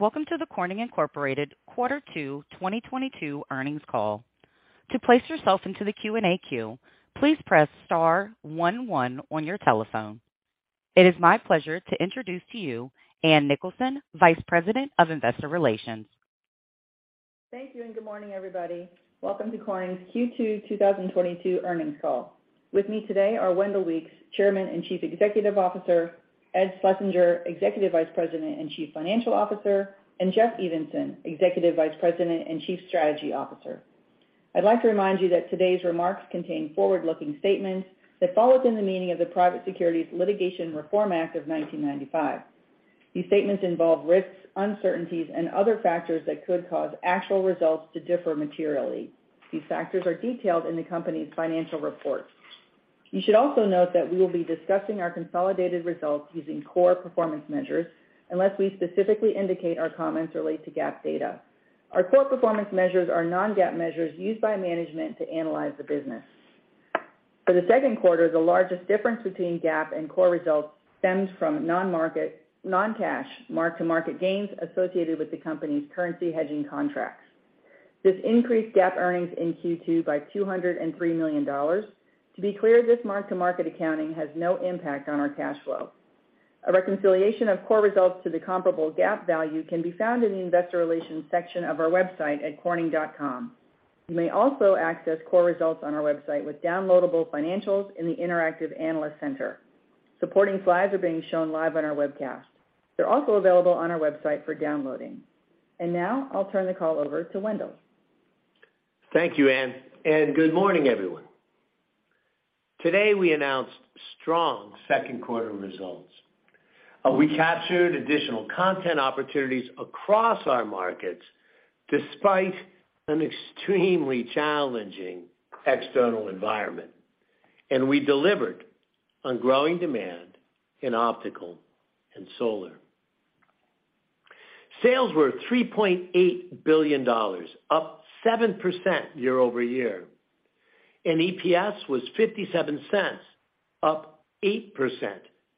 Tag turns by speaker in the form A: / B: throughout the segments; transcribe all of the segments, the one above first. A: Welcome to the Corning Incorporated Q2 2022 earnings call. To place yourself into the Q&A queue, please press star one one on your telephone. It is my pleasure to introduce to you Ann Nicholson, Vice President of Investor Relations.
B: Thank you, and good morning, everybody. Welcome to Corning's Q2 2022 earnings call. With me today are Wendell Weeks, Chairman and Chief Executive Officer, Edward Schlesinger, Executive Vice President and Chief Financial Officer, and Jeffrey Evenson, Executive Vice President and Chief Strategy Officer. I'd like to remind you that today's remarks contain forward-looking statements that fall within the meaning of the Private Securities Litigation Reform Act of 1995. These statements involve risks, uncertainties, and other factors that could cause actual results to differ materially. These factors are detailed in the company's financial report. You should also note that we will be discussing our consolidated results using core performance measures unless we specifically indicate our comments relate to GAAP data. Our core performance measures are non-GAAP measures used by management to analyze the business. For the second quarter, the largest difference between GAAP and core results stems from non-cash mark-to-market gains associated with the company's currency hedging contracts. This increased GAAP earnings in Q2 by $203 million. To be clear, this mark-to-market accounting has no impact on our cash flow. A reconciliation of core results to the comparable GAAP value can be found in the investor relations section of our website at corning.com. You may also access core results on our website with downloadable financials in the interactive analyst center. Supporting slides are being shown live on our webcast. They're also available on our website for downloading. Now I'll turn the call over to Wendell Weeks.
C: Thank you, Ann. Good morning, everyone. Today, we announced strong second quarter results. We captured additional content opportunities across our markets despite an extremely challenging external environment, and we delivered on growing demand in Optical and Solar. Sales were $3.8 billion, up 7% year-over-year, and EPS was $0.57, up 8%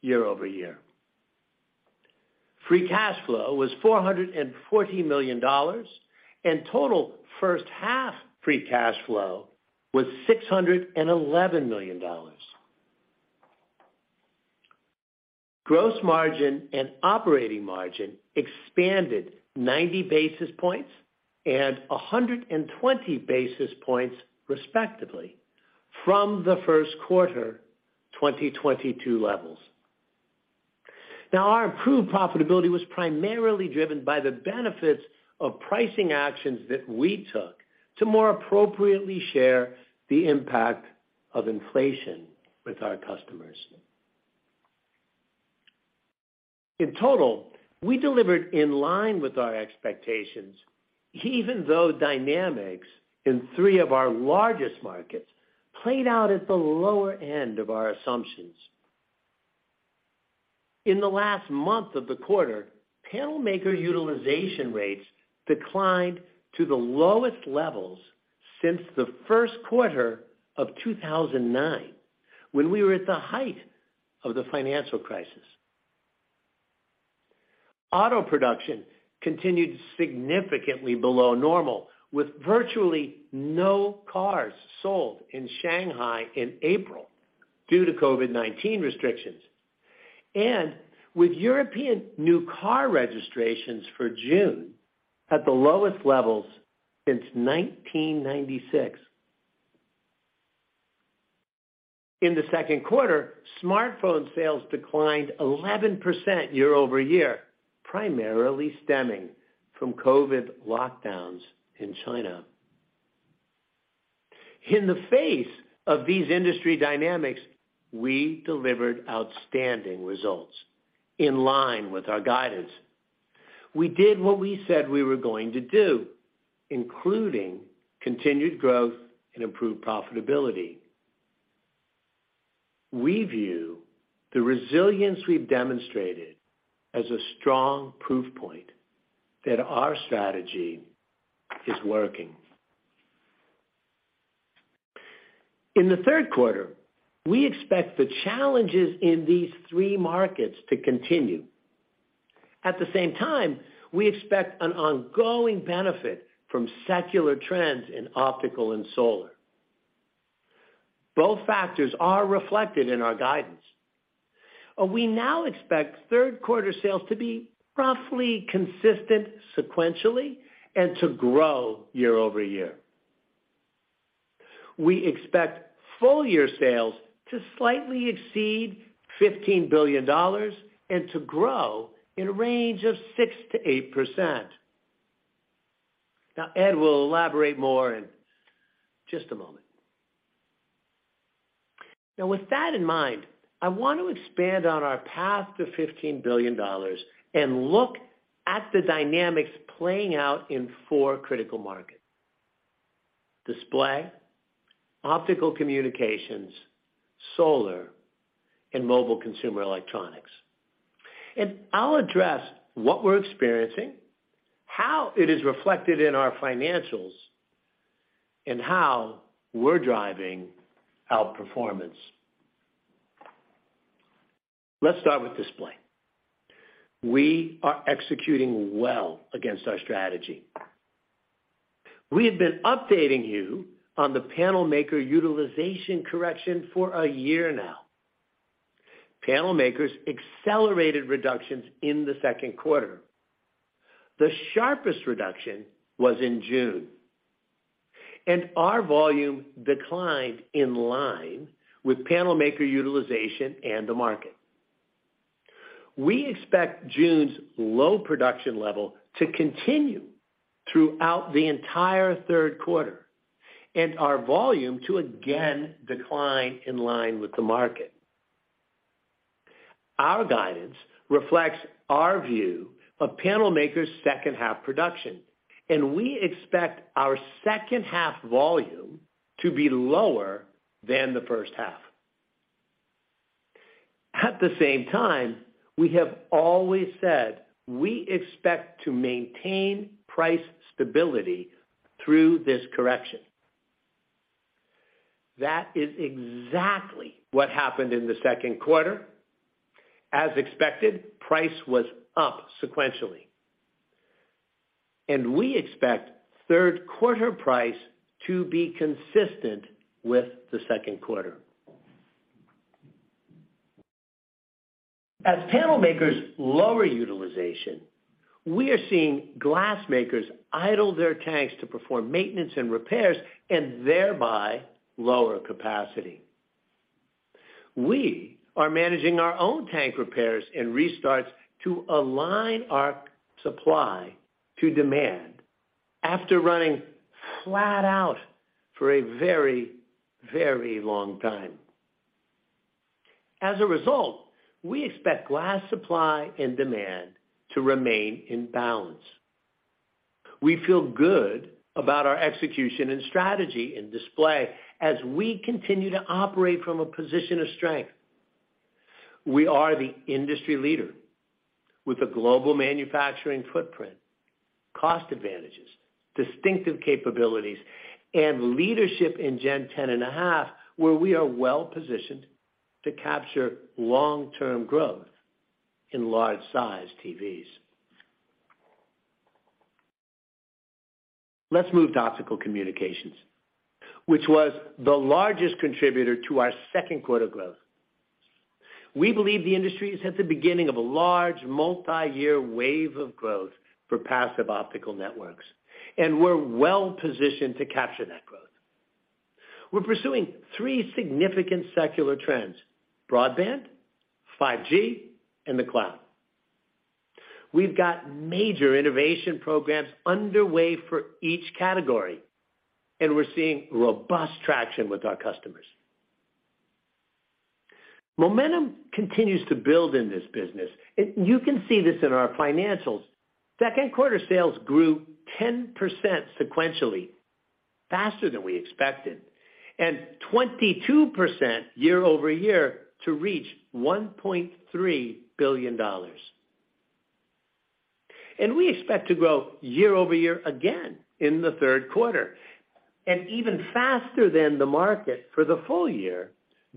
C: year-over-year. Free cash flow was $440 million, and total first half free cash flow was $611 million. Gross margin and operating margin expanded 90 basis points and 120 basis points, respectively, from the first quarter 2022 levels. Now, our improved profitability was primarily driven by the benefits of pricing actions that we took to more appropriately share the impact of inflation with our customers. In total, we delivered in line with our expectations, even though dynamics in three of our largest markets played out at the lower end of our assumptions. In the last month of the quarter, panel maker utilization rates declined to the lowest levels since the first quarter of 2009, when we were at the height of the financial crisis. Auto production continued significantly below normal, with virtually no cars sold in Shanghai in April due to COVID-19 restrictions and with European new car registrations for June at the lowest levels since 1996. In the second quarter, smartphone sales declined 11% year-over-year, primarily stemming from COVID lockdowns in China. In the face of these industry dynamics, we delivered outstanding results in line with our guidance. We did what we said we were going to do, including continued growth and improved profitability. We view the resilience we've demonstrated as a strong proof point that our strategy is working. In the third quarter, we expect the challenges in these three markets to continue. At the same time, we expect an ongoing benefit from secular trends in Optical and Solar. Both factors are reflected in our guidance. We now expect third quarter sales to be roughly consistent sequentially and to grow year-over-year. We expect full year sales to slightly exceed $15 billion and to grow in a range of 6%-8%. Now, Ed will elaborate more in just a moment. Now, with that in mind, I want to expand on our path to $15 billion and look at the dynamics playing out in four critical markets: Display, Optical Communications, Solar, and Mobile Consumer Electronics. I'll address what we're experiencing, how it is reflected in our financials, and how we're driving outperformance. Let's start with Display. We are executing well against our strategy. We have been updating you on the panel maker utilization correction for a year now. Panel makers accelerated reductions in the second quarter. The sharpest reduction was in June, and our volume declined in line with panel maker utilization and the market. We expect June's low production level to continue throughout the entire third quarter and our volume to again decline in line with the market. Our guidance reflects our view of panel makers' second half production, and we expect our second half volume to be lower than the first half. At the same time, we have always said we expect to maintain price stability through this correction. That is exactly what happened in the second quarter. As expected, price was up sequentially, and we expect third quarter price to be consistent with the second quarter. As panel makers lower utilization, we are seeing glass makers idle their tanks to perform maintenance and repairs and thereby lower capacity. We are managing our own tank repairs and restarts to align our supply to demand after running flat out for a very, very long time. As a result, we expect glass supply and demand to remain in balance. We feel good about our execution and strategy in Display as we continue to operate from a position of strength. We are the industry leader with a global manufacturing footprint, cost advantages, distinctive capabilities, and leadership in Gen 10.5, where we are well positioned to capture long-term growth in large size TVs. Let's move to Optical Communications, which was the largest contributor to our second quarter growth. We believe the industry is at the beginning of a large multi-year wave of growth for passive Optical networks, and we're well positioned to capture that growth. We're pursuing three significant secular trends: Broadband, 5G, and the Cloud. We've got major innovation programs underway for each category, and we're seeing robust traction with our customers. Momentum continues to build in this business. You can see this in our financials. Second quarter sales grew 10% sequentially faster than we expected, and 22% year-over-year to reach $1.3 billion. We expect to grow year-over-year again in the third quarter and even faster than the market for the full year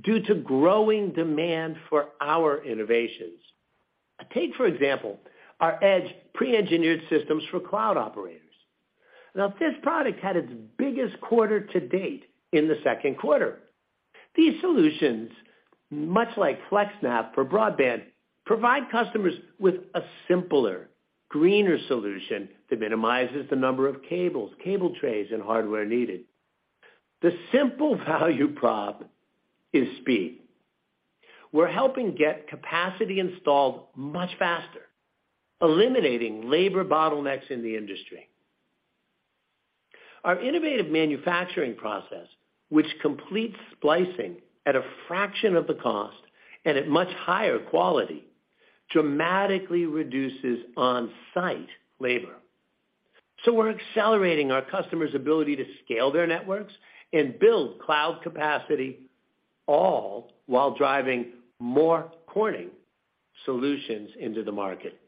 C: due to growing demand for our innovations. Take, for example, our EDGE pre-engineered systems for Cloud operators. Now, this product had its biggest quarter to date in the second quarter. These solutions, much like FlexNAP for broadband, provide customers with a simpler, greener solution that minimizes the number of cables, cable trays, and hardware needed. The simple value prop is speed. We're helping get capacity installed much faster, eliminating labor bottlenecks in the industry. Our innovative manufacturing process, which completes splicing at a fraction of the cost and at much higher quality, dramatically reduces on-site labor. We're accelerating our customers' ability to scale their networks and build cloud capacity, all while driving more Corning solutions into the market.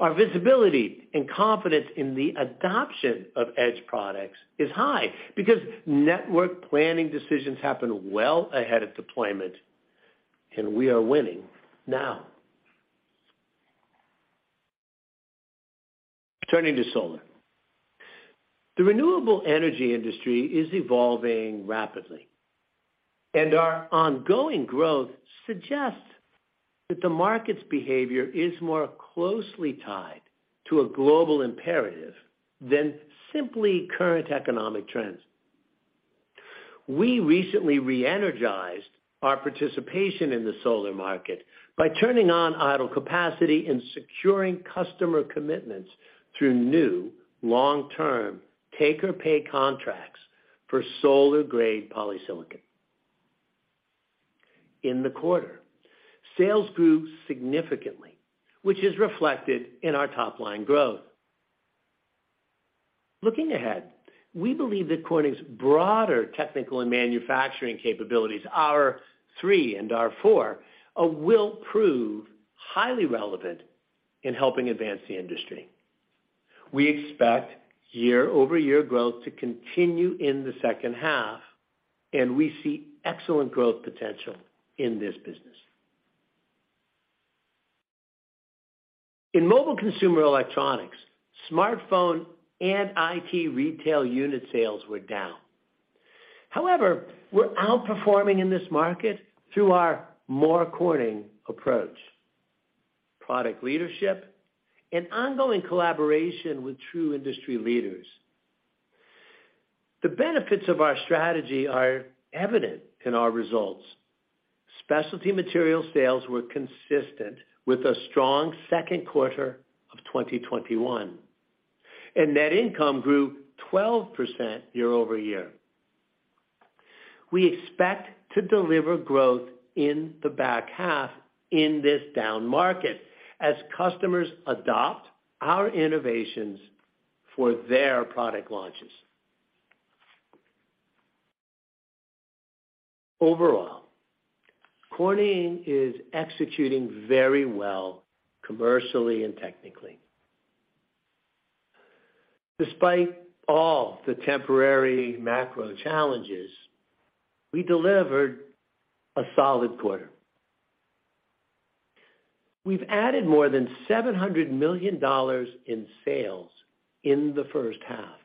C: Our visibility and confidence in the adoption of EDGE products is high because network planning decisions happen well ahead of deployment, and we are winning now. Turning to Solar. The renewable energy industry is evolving rapidly, and our ongoing growth suggests that the market's behavior is more closely tied to a global imperative than simply current economic trends. We recently re-energized our participation in the Solar market by turning on idle capacity and securing customer commitments through new long-term take or pay contracts for solar-grade polysilicon. In the quarter, sales grew significantly, which is reflected in our top-line growth. Looking ahead, we believe that Corning's broader technical and manufacturing capabilities, R3 and R4, will prove highly relevant in helping advance the industry. We expect year-over-year growth to continue in the second half, and we see excellent growth potential in this business. In Mobile Consumer Electronics, smartphone and IT retail unit sales were down. However, we're outperforming in this market through our more Corning approach, product leadership and ongoing collaboration with true industry leaders. The benefits of our strategy are evident in our results. Specialty materials sales were consistent with a strong second quarter of 2021, and net income grew 12% year-over-year. We expect to deliver growth in the back half in this down market as customers adopt our innovations for their product launches. Overall, Corning is executing very well commercially and technically. Despite all the temporary macro challenges, we delivered a solid quarter. We've added more than $700 million in sales in the first half,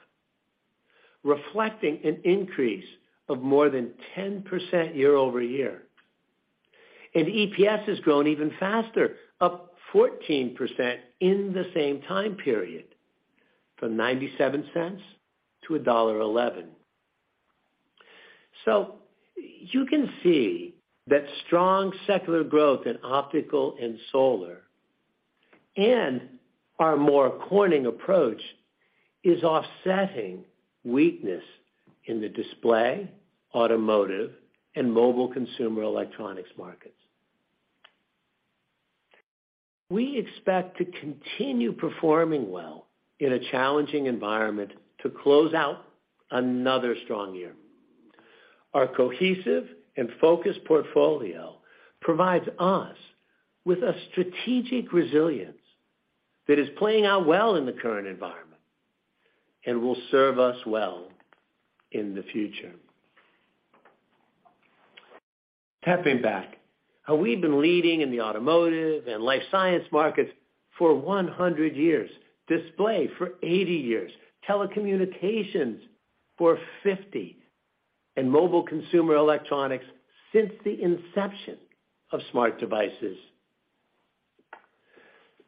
C: reflecting an increase of more than 10% year-over-year. EPS has grown even faster, up 14% in the same time period, from $0.97 to $1.11. You can see that strong secular growth in Optical and Solar and our more Corning approach is offsetting weakness in the Display, Automotive, and Mobile Consumer Electronics markets. We expect to continue performing well in a challenging environment to close out another strong year. Our cohesive and focused portfolio provides us with a strategic resilience that is playing out well in the current environment and will serve us well in the future. Stepping back, we've been leading in the Automotive and Life Science markets for 100 years, Display for 80 years, Telecommunications for 50, and Mobile Consumer Electronics since the inception of smart devices.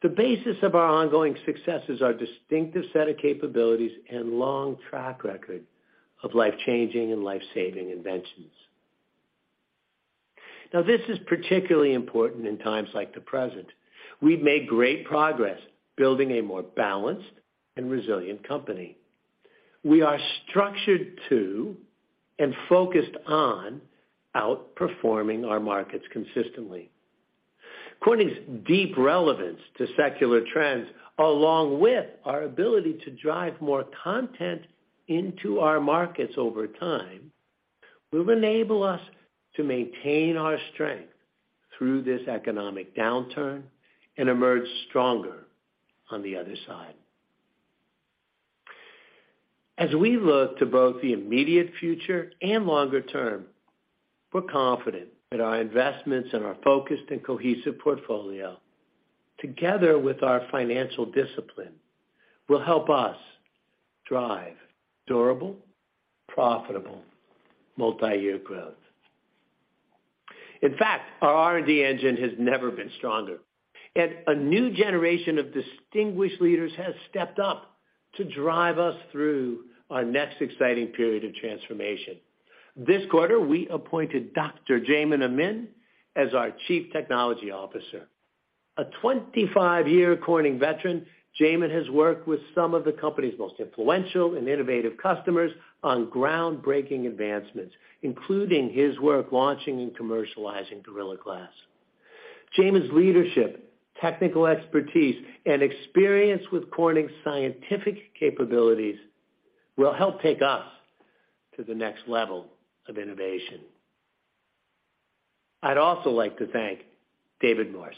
C: The basis of our ongoing success is our distinctive set of capabilities and long track record of life-changing and life-saving inventions. Now, this is particularly important in times like the present. We've made great progress building a more balanced and resilient company. We are structured to and focused on outperforming our markets consistently. Corning's deep relevance to secular trends, along with our ability to drive more content into our markets over time, will enable us to maintain our strength through this economic downturn and emerge stronger on the other side. As we look to both the immediate future and longer term, we're confident that our investments and our focused and cohesive portfolio, together with our financial discipline, will help us drive durable, profitable multi-year growth. In fact, our R&D engine has never been stronger, and a new generation of distinguished leaders has stepped up to drive us through our next exciting period of transformation. This quarter, we appointed Dr. Jaymin Amin as our Chief Technology Officer. A 25-year Corning veteran, Jaymin has worked with some of the company's most influential and innovative customers on groundbreaking advancements, including his work launching and commercializing Gorilla Glass. Jaymin's leadership, technical expertise, and experience with Corning's scientific capabilities will help take us to the next level of innovation. I'd also like to thank David Morse.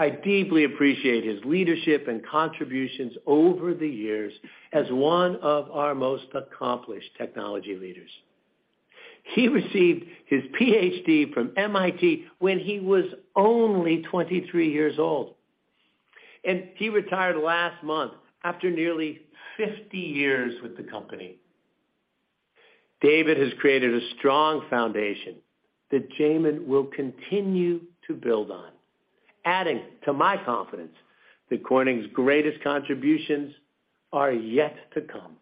C: I deeply appreciate his leadership and contributions over the years as one of our most accomplished technology leaders. He received his PhD from MIT when he was only 23 years old, and he retired last month after nearly 50 years with the company. David has created a strong foundation that Jaymin will continue to build on, adding to my confidence that Corning's greatest contributions are yet to come.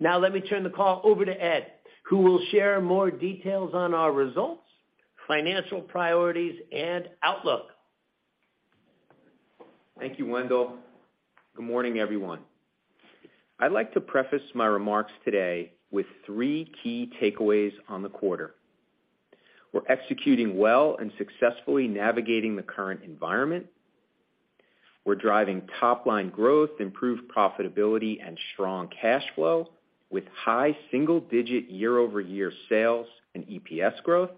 C: Now, let me turn the call over to Ed, who will share more details on our results, financial priorities, and outlook.
D: Thank you, Wendell. Good morning, everyone. I'd like to preface my remarks today with three key takeaways on the quarter. We're executing well and successfully navigating the current environment. We're driving top-line growth, improved profitability, and strong cash flow with high single-digit year-over-year sales and EPS growth.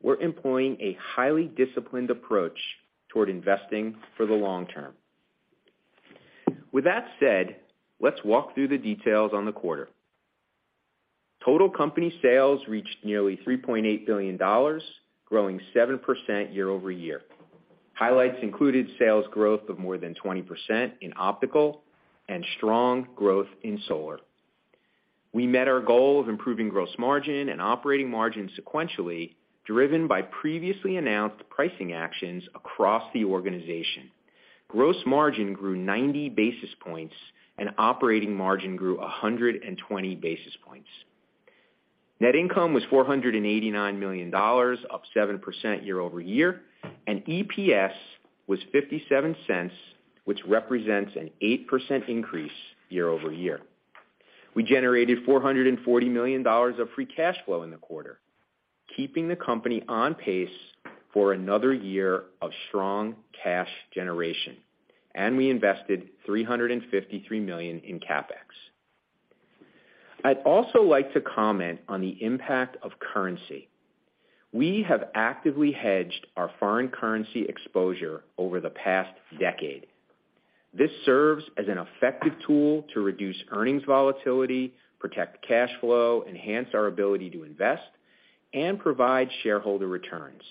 D: We're employing a highly disciplined approach toward investing for the long term. With that said, let's walk through the details on the quarter. Total company sales reached nearly $3.8 billion, growing 7% year-over-year. Highlights included sales growth of more than 20% in Optical and strong growth in Solar. We met our goal of improving gross margin and operating margin sequentially, driven by previously announced pricing actions across the organization. Gross margin grew 90 basis points, and operating margin grew 120 basis points. Net income was $489 million, up 7% year-over-year, and EPS was $0.57, which represents an 8% increase year-over-year. We generated $440 million of free cash flow in the quarter, keeping the company on pace for another year of strong cash generation, and we invested $353 million in CapEx. I'd also like to comment on the impact of currency. We have actively hedged our foreign currency exposure over the past decade. This serves as an effective tool to reduce earnings volatility, protect cash flow, enhance our ability to invest, and provide shareholder returns.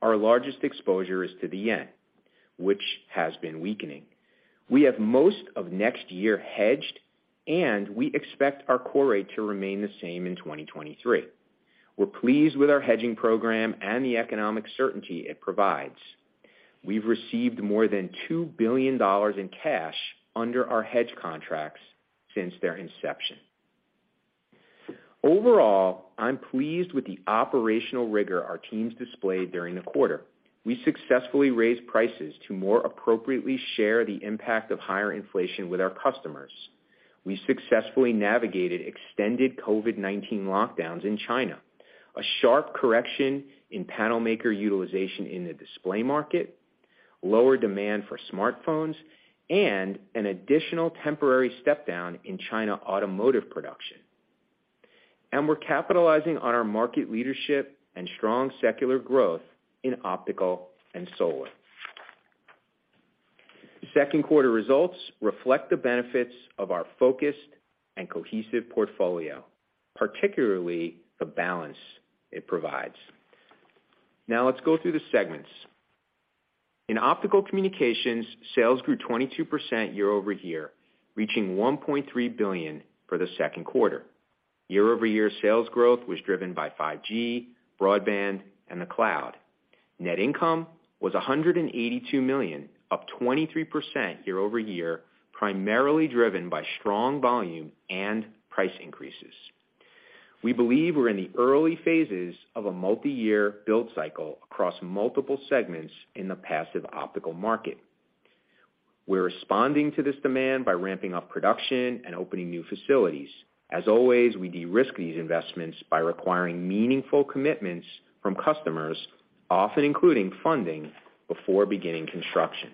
D: Our largest exposure is to the yen, which has been weakening. We have most of next year hedged, and we expect our core rate to remain the same in 2023. We're pleased with our hedging program and the economic certainty it provides. We've received more than $2 billion in cash under our hedge contracts since their inception. Overall, I'm pleased with the operational rigor our teams displayed during the quarter. We successfully raised prices to more appropriately share the impact of higher inflation with our customers. We successfully navigated extended COVID-19 lockdowns in China, a sharp correction in panel maker utilization in the Display market, lower demand for smartphones, and an additional temporary step down in China Automotive production. We're capitalizing on our market leadership and strong secular growth in Optical and Solar. The second quarter results reflect the benefits of our focused and cohesive portfolio, particularly the balance it provides. Now let's go through the segments. In Optical Communications, sales grew 22% year-over-year, reaching $1.3 billion for the second quarter. Year-over-year sales growth was driven by 5G, broadband, and the cloud. Net income was $182 million, up 23% year-over-year, primarily driven by strong volume and price increases. We believe we're in the early phases of a multi-year build cycle across multiple segments in the passive Optical market. We're responding to this demand by ramping up production and opening new facilities. As always, we de-risk these investments by requiring meaningful commitments from customers, often including funding before beginning construction.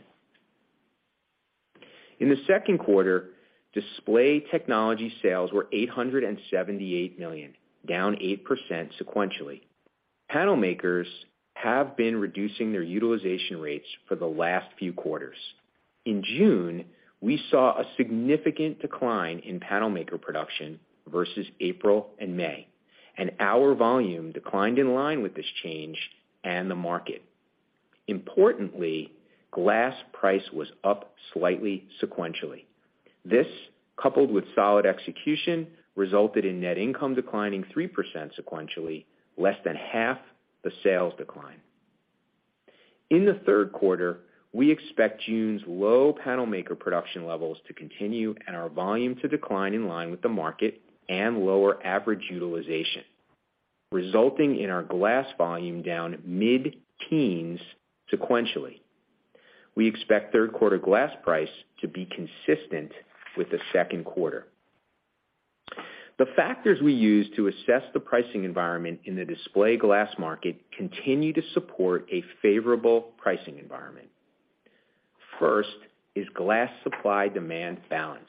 D: In the second quarter, Display Technologies sales were $878 million, down 8% sequentially. Panel makers have been reducing their utilization rates for the last few quarters. In June, we saw a significant decline in panel maker production versus April and May, and our volume declined in line with this change and the market. Importantly, glass price was up slightly sequentially. This, coupled with solid execution, resulted in net income declining 3% sequentially, less than half the sales decline. In the third quarter, we expect June's low panel maker production levels to continue and our volume to decline in line with the market and lower average utilization, resulting in our glass volume down mid-teens sequentially. We expect third quarter glass price to be consistent with the second quarter. The factors we use to assess the pricing environment in the Display Glass market continue to support a favorable pricing environment. First is glass supply-demand balance.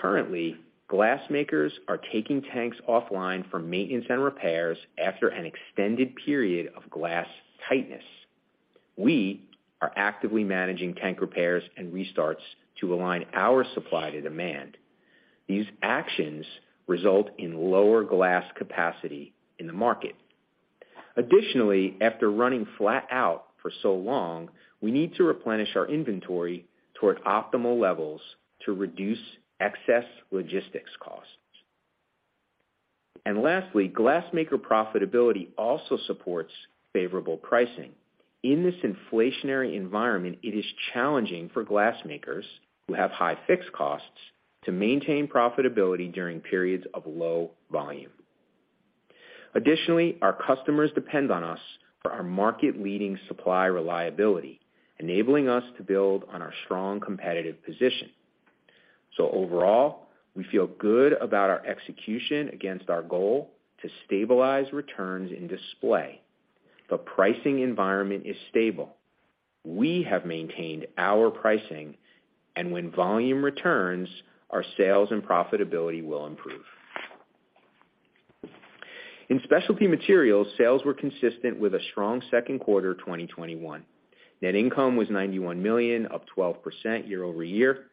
D: Currently, glass makers are taking tanks offline for maintenance and repairs after an extended period of glass tightness. We are actively managing tank repairs and restarts to align our supply to demand. These actions result in lower glass capacity in the market. Additionally, after running flat out for so long, we need to replenish our inventory toward optimal levels to reduce excess logistics costs. Lastly, glass maker profitability also supports favorable pricing. In this inflationary environment, it is challenging for glass makers who have high fixed costs to maintain profitability during periods of low volume. Additionally, our customers depend on us for our market leading supply reliability, enabling us to build on our strong competitive position. Overall, we feel good about our execution against our goal to stabilize returns in Display. The pricing environment is stable. We have maintained our pricing, and when volume returns, our sales and profitability will improve. In Specialty Materials, sales were consistent with a strong second quarter, 2021. Net income was $91 million, up 12% year-over-year.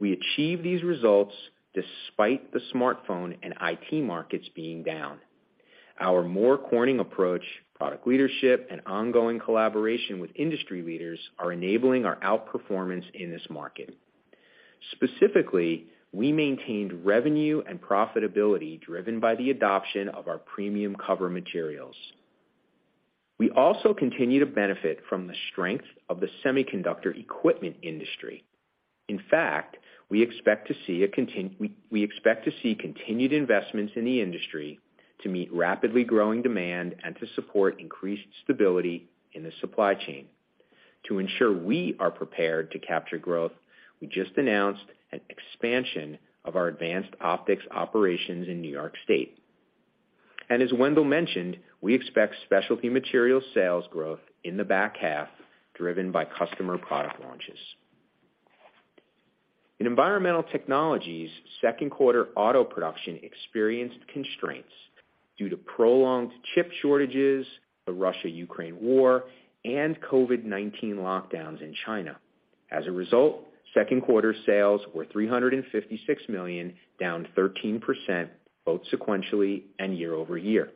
D: We achieved these results despite the smartphone and IT markets being down. Our core Corning approach, product leadership, and ongoing collaboration with industry leaders are enabling our outperformance in this market. Specifically, we maintained revenue and profitability driven by the adoption of our premium cover materials. We also continue to benefit from the strength of the semiconductor equipment industry. In fact, we expect to see continued investments in the industry to meet rapidly growing demand and to support increased stability in the supply chain. To ensure we are prepared to capture growth, we just announced an expansion of our advanced optics operations in New York State. As Wendell mentioned, we expect Specialty Materials sales growth in the back half driven by customer product launches. In Environmental Technologies, second quarter auto production experienced constraints due to prolonged chip shortages, the Russia-Ukraine War, and COVID-19 lockdowns in China. As a result, second quarter sales were $356 million, down 13% both sequentially and year-over-year.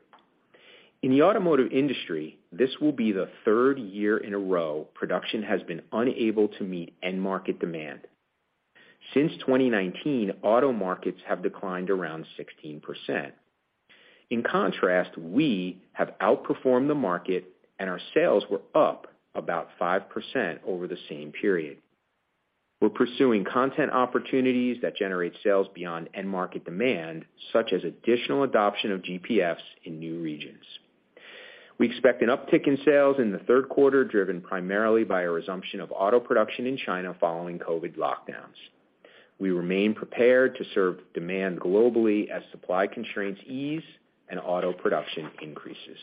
D: In the Automotive industry, this will be the third year in a row production has been unable to meet end market demand. Since 2019, auto markets have declined around 16%. In contrast, we have outperformed the market and our sales were up about 5% over the same period. We're pursuing content opportunities that generate sales beyond end market demand, such as additional adoption of GPFs in new regions. We expect an uptick in sales in the third quarter, driven primarily by a resumption of auto production in China following COVID lockdowns. We remain prepared to serve demand globally as supply constraints ease and auto production increases.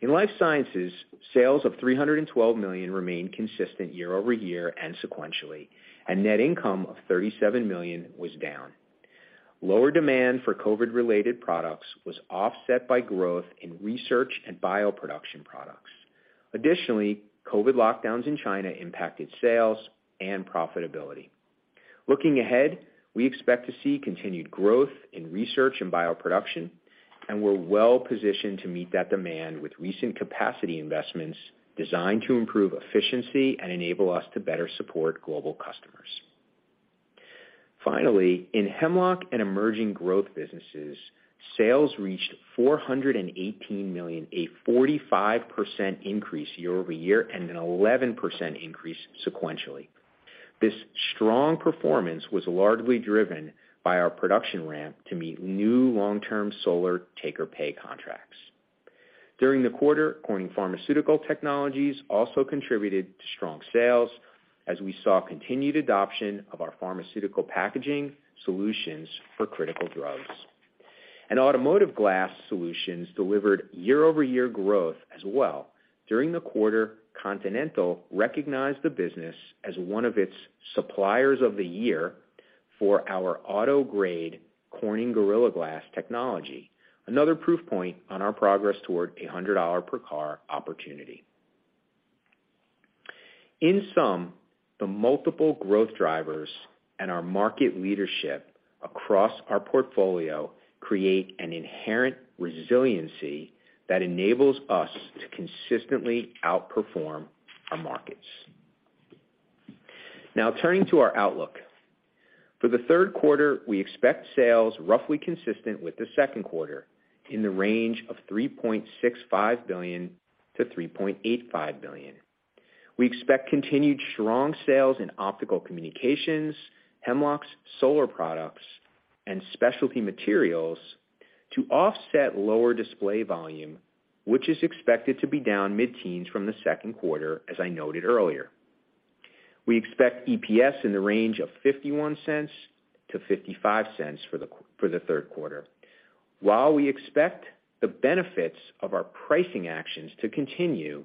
D: In Life Sciences, sales of $312 million remained consistent year-over-year and sequentially, and net income of $37 million was down. Lower demand for COVID-related products was offset by growth in research and bioproduction products. Additionally, COVID lockdowns in China impacted sales and profitability. Looking ahead, we expect to see continued growth in research and bioproduction, and we're well-positioned to meet that demand with recent capacity investments designed to improve efficiency and enable us to better support global customers. Finally, in Hemlock & Emerging Growth Businesses, sales reached $418 million, a 45% increase year-over-year and an 11% increase sequentially. This strong performance was largely driven by our production ramp to meet new long-term Solar take-or-pay contracts. During the quarter, Corning Pharmaceutical Technologies also contributed to strong sales as we saw continued adoption of our pharmaceutical packaging solutions for critical drugs. Automotive Glass solutions delivered year-over-year growth as well. During the quarter, Continental recognized the business as one of its suppliers of the year for our auto-grade Corning Gorilla Glass technology, another proof point on our progress toward a $100-per-car opportunity. In sum, the multiple growth drivers and our market leadership across our portfolio create an inherent resiliency that enables us to consistently outperform our markets. Now turning to our outlook. For the third quarter, we expect sales roughly consistent with the second quarter in the range of $3.65 billion-$3.85 billion. We expect continued strong sales in Optical Communications, Hemlock's Solar products, and Specialty Materials to offset lower Display volume, which is expected to be down mid-teens% from the second quarter, as I noted earlier. We expect EPS in the range of $0.51-$0.55 for the third quarter. While we expect the benefits of our pricing actions to continue,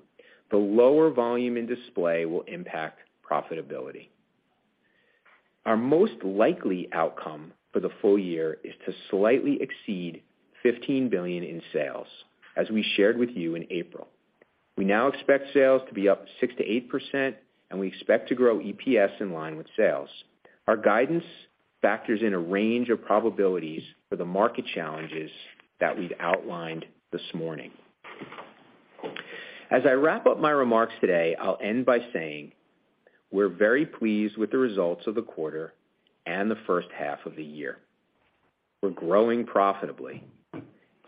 D: the lower volume in Display will impact profitability. Our most likely outcome for the full year is to slightly exceed $15 billion in sales, as we shared with you in April. We now expect sales to be up 6%-8%, and we expect to grow EPS in line with sales. Our guidance factors in a range of probabilities for the market challenges that we've outlined this morning. As I wrap up my remarks today, I'll end by saying we're very pleased with the results of the quarter and the first half of the year. We're growing profitably,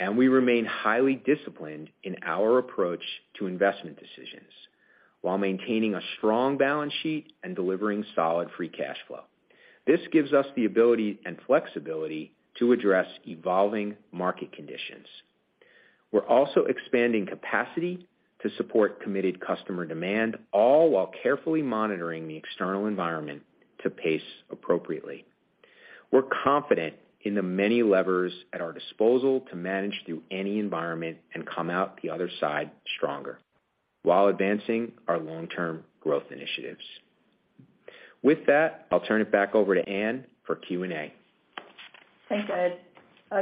D: and we remain highly disciplined in our approach to investment decisions while maintaining a strong balance sheet and delivering solid free cash flow. This gives us the ability and flexibility to address evolving market conditions. We're also expanding capacity to support committed customer demand, all while carefully monitoring the external environment to pace appropriately.
C: We're confident in the many levers at our disposal to manage through any environment and come out the other side stronger while advancing our long-term growth initiatives. With that, I'll turn it back over to Ann for Q&A.
B: Thanks, Ed.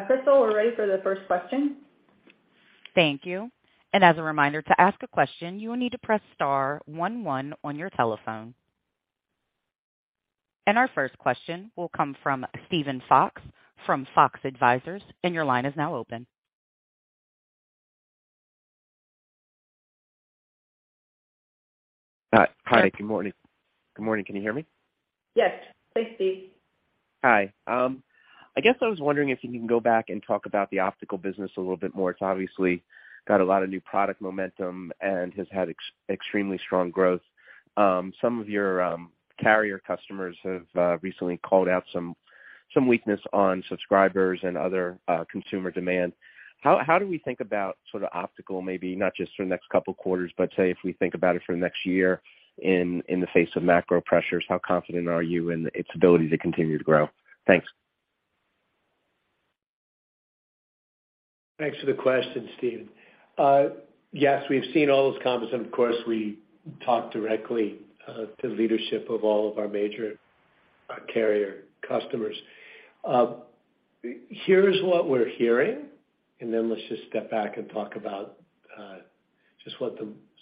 B: Crystal, we're ready for the first question.
A: Thank you. As a reminder, to ask a question, you will need to press star one one on your telephone. Our first question will come from Steven Fox from Fox Advisors. Your line is now open.
E: Hi. Good morning. Good morning. Can you hear me?
B: Yes. Thanks, Steven.
E: Hi. I guess I was wondering if you can go back and talk about the Optical business a little bit more. It's obviously got a lot of new product momentum and has had extremely strong growth. Some of your carrier customers have recently called out some weakness on subscribers and other consumer demand. How do we think about sort of Optical, maybe not just for the next couple of quarters, but say if we think about it for the next year in the face of macro pressures, how confident are you in its ability to continue to grow? Thanks.
C: Thanks for the question, Steven. Yes, we've seen all those comments and of course, we talk directly to leadership of all of our major carrier customers. Here's what we're hearing, and then let's just step back and talk about just what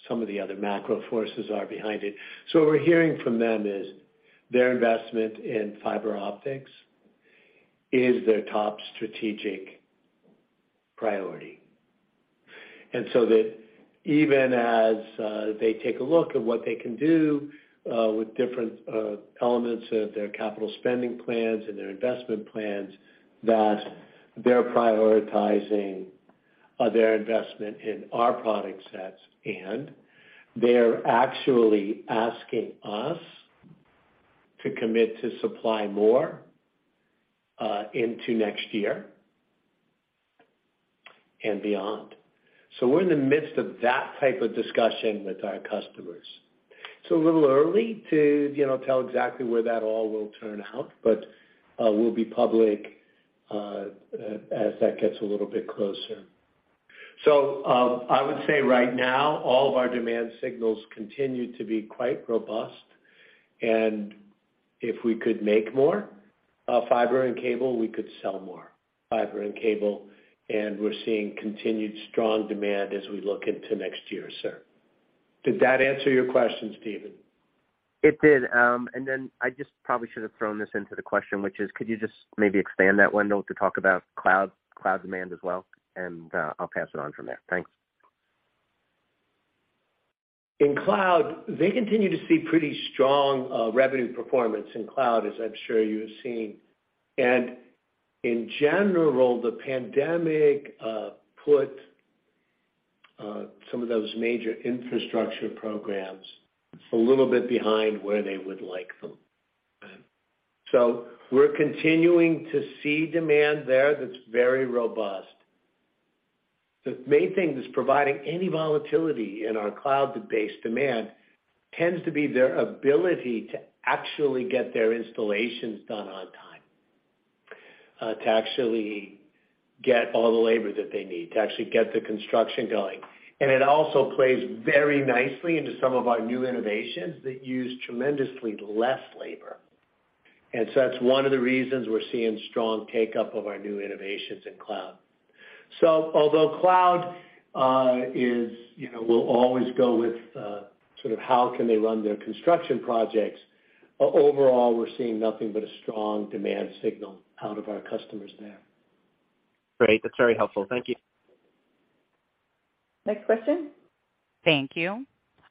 C: some of the other macro forces are behind it. What we're hearing from them is their investment in fiber optics is their top strategic priority. And so that even as they take a look at what they can do with different elements of their capital spending plans and their investment plans, that they're prioritizing their investment in our product sets, and they're actually asking us to commit to supply more into next year and beyond. We're in the midst of that type of discussion with our customers. It's a little early to, you know, tell exactly where that all will turn out, but we'll be public as that gets a little bit closer. I would say right now, all of our demand signals continue to be quite robust. If we could make more fiber and cable, we could sell more fiber and cable. We're seeing continued strong demand as we look into next year, sir. Did that answer your question, Steven?
E: It did. I just probably should have thrown this into the question, which is, could you just maybe expand that window to talk about cloud demand as well? I'll pass it on from there. Thanks.
C: In cloud, they continue to see pretty strong, revenue performance in cloud, as I'm sure you've seen. In general, the pandemic put some of those major infrastructure programs a little bit behind where they would like them. We're continuing to see demand there that's very robust. The main thing that's providing any volatility in our cloud-based demand tends to be their ability to actually get their installations done on time, to actually get all the labor that they need, to actually get the construction going. It also plays very nicely into some of our new innovations that use tremendously less labor. That's one of the reasons we're seeing strong take up of our new innovations in cloud. Although cloud is, you know, will always go with sort of how can they run their construction projects, overall, we're seeing nothing but a strong demand signal out of our customers there.
E: Great. That's very helpful. Thank you.
B: Next question.
A: Thank you.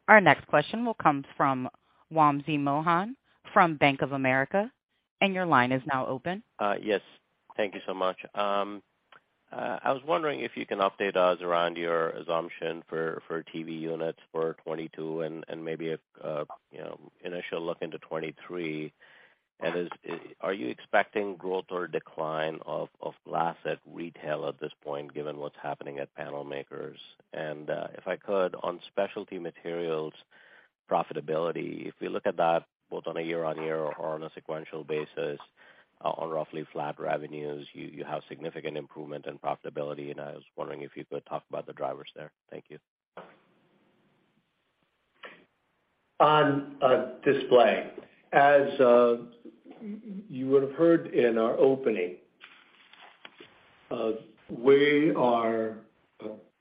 A: Our next question will come from Wamsi Mohan from Bank of America. Your line is now open.
F: Yes. Thank you so much. I was wondering if you can update us around your assumption for TV units for 2022 and maybe a you know initial look into 2023. Are you expecting growth or decline of glass at retail at this point, given what's happening at panel makers? If I could, on Specialty Materials profitability, if we look at that both on a year-on-year or on a sequential basis on roughly flat revenues, you have significant improvement in profitability. I was wondering if you could talk about the drivers there. Thank you.
C: On Display. As you would have heard in our opening, we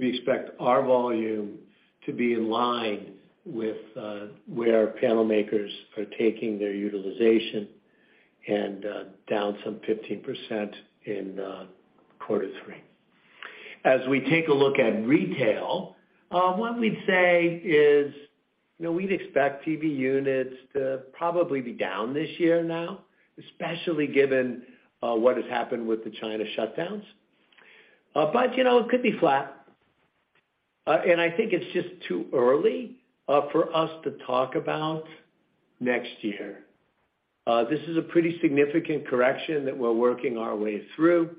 C: expect our volume to be in line with where panel makers are taking their utilization and down some 15% in quarter three. As we take a look at retail, what we'd say is, you know, we'd expect TV units to probably be down this year now, especially given what has happened with the China shutdowns. You know, it could be flat. I think it's just too early for us to talk about next year. This is a pretty significant correction that we're working our way through.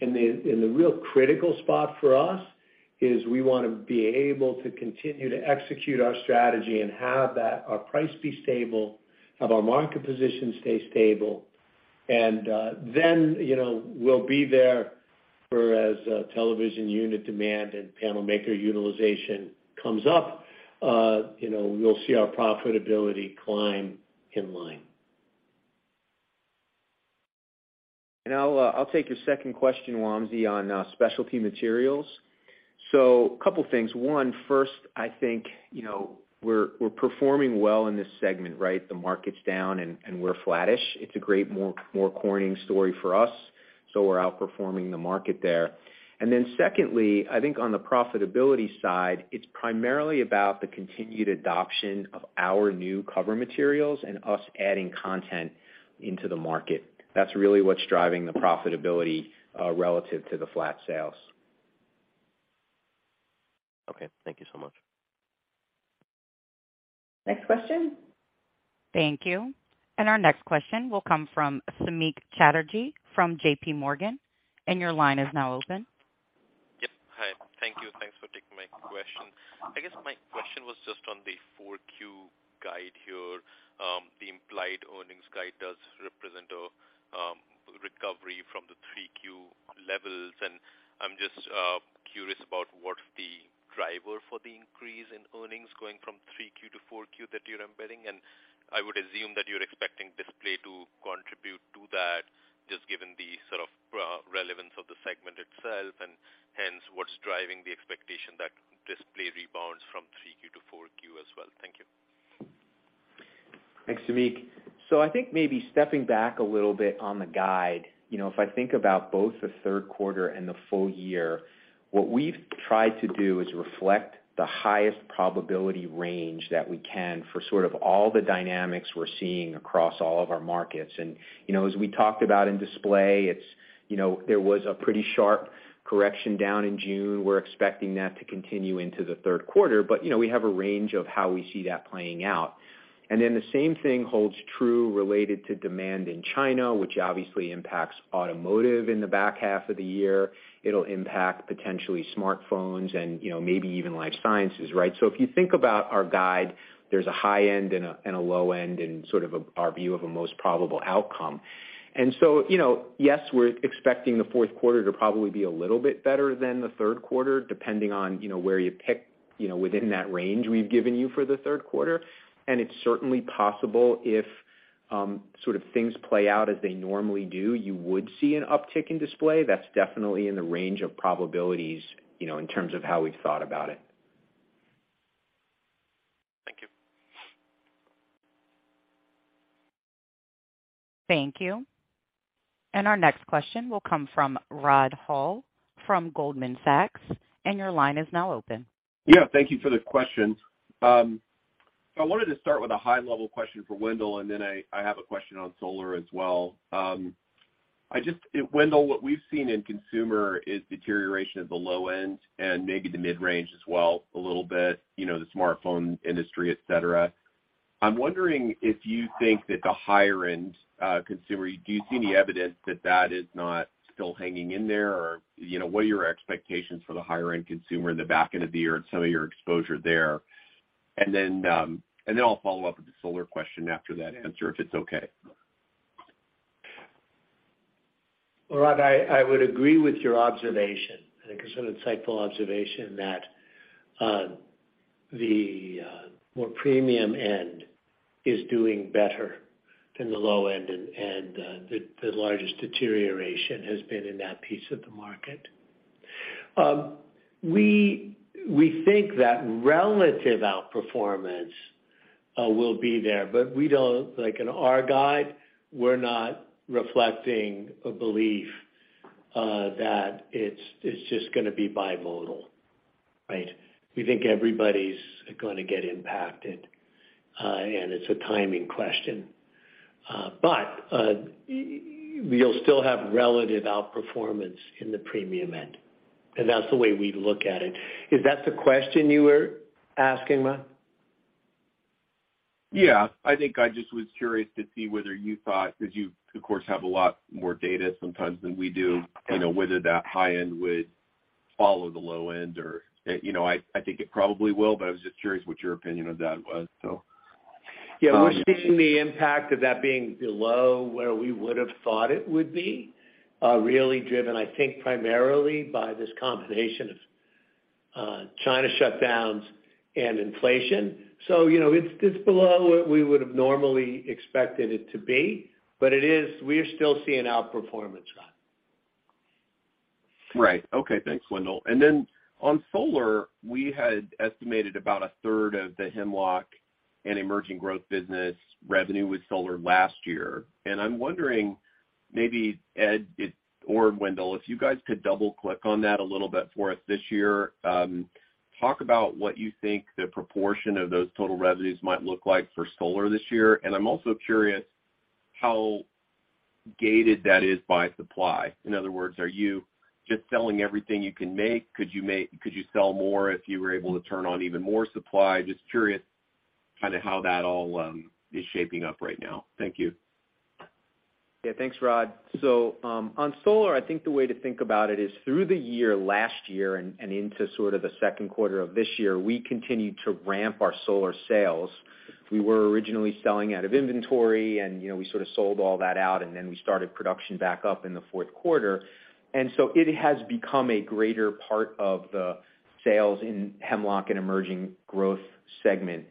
C: The real critical spot for us is we wanna be able to continue to execute our strategy and have that our price be stable, have our market position stay stable, and then, you know, we'll be there as television unit demand and panel maker utilization comes up, you know, we'll see our profitability climb in line.
D: I'll take your second question, Wamsi, on Specialty Materials. Couple things. First, I think, you know, we're performing well in this segment, right? The market's down and we're flattish. It's a greater Corning story for us, so we're outperforming the market there. Then secondly, I think on the profitability side, it's primarily about the continued adoption of our new cover materials and us adding content into the market. That's really what's driving the profitability relative to the flat sales.
F: Okay. Thank you so much.
B: Next question.
A: Thank you. Our next question will come from Samik Chatterjee from JPMorgan, and your line is now open.
G: Yep. Hi. Thank you. Thanks for taking my question. I guess my question was just on the 4Q guide here. The implied earnings guide does represent a recovery from the 3Q levels, and I'm just curious about what the driver for the increase in earnings going from 3Q to 4Q that you're embedding, and I would assume that you're expecting Display to contribute to that, just given the sort of prevalence of the segment itself, and hence what's driving the expectation that Display rebounds from 3Q to 4Q as well. Thank you.
D: Thanks, Samik. I think maybe stepping back a little bit on the guide, you know, if I think about both the third quarter and the full year, what we've tried to do is reflect the highest probability range that we can for sort of all the dynamics we're seeing across all of our markets. You know, as we talked about in Display, it's, you know, there was a pretty sharp correction down in June. We're expecting that to continue into the third quarter, but, you know, we have a range of how we see that playing out. The same thing holds true related to demand in China, which obviously impacts Automotive in the back half of the year. It'll impact potentially smartphones and, you know, maybe even Life Sciences, right? If you think about our guide, there's a high end and a low end and sort of a our view of a most probable outcome. You know, yes, we're expecting the fourth quarter to probably be a little bit better than the third quarter, depending on, you know, where you pick, you know, within that range we've given you for the third quarter, and it's certainly possible if sort of things play out as they normally do, you would see an uptick in Display. That's definitely in the range of probabilities, you know, in terms of how we've thought about it.
G: Thank you.
A: Thank you. Our next question will come from Rod Hall from Goldman Sachs, and your line is now open.
H: Yeah. Thank you for the questions. I wanted to start with a high level question for Wendell, and then I have a question on Solar as well. Wendell, what we've seen in consumer is deterioration of the low end and maybe the mid-range as well, a little bit, you know, the smartphone industry, et cetera. I'm wondering if you think that the higher end consumer, do you see any evidence that that is not still hanging in there or, you know, what are your expectations for the higher end consumer in the back end of the year and some of your exposure there? Then I'll follow up with the Solar question after that answer, if it's okay.
C: Well, Rod, I would agree with your observation. I think it's an insightful observation that the more premium end is doing better than the low end and the largest deterioration has been in that piece of the market. We think that relative outperformance will be there, but we don't, like in our guide, we're not reflecting a belief that it's just gonna be bimodal, right? We think everybody's gonna get impacted and it's a timing question. You'll still have relative outperformance in the premium end, and that's the way we look at it. Is that the question you were asking, Rod?
H: Yeah. I think I just was curious to see whether you thought, 'cause you of course have a lot more data sometimes than we do, you know, whether that high end would follow the low end or, you know, I think it probably will, but I was just curious what your opinion of that was, so.
C: Yeah. We're seeing the impact of that being below where we would have thought it would be, really driven, I think, primarily by this combination of, China shutdowns and inflation. You know, it's below what we would have normally expected it to be, but it is, we are still seeing outperformance, Rod.
H: Right. Okay. Thanks, Wendell. Then on Solar, we had estimated about a third of the Hemlock and Emerging Growth Businesses revenue with Solar last year. I'm wondering, maybe Ed, or Wendell, if you guys could double-click on that a little bit for us this year. Talk about what you think the proportion of those total revenues might look like for Solar this year. I'm also curious how gated that is by supply. In other words, are you just selling everything you can make? Could you sell more if you were able to turn on even more supply? Just curious kinda how that all is shaping up right now. Thank you.
D: Yeah, thanks, Rod. On Solar, I think the way to think about it is through the year last year and into sort of the second quarter of this year, we continued to ramp our Solar sales. We were originally selling out of inventory and, you know, we sort of sold all that out, and then we started production back up in the fourth quarter. It has become a greater part of the sales in Hemlock and Emerging Growth segment.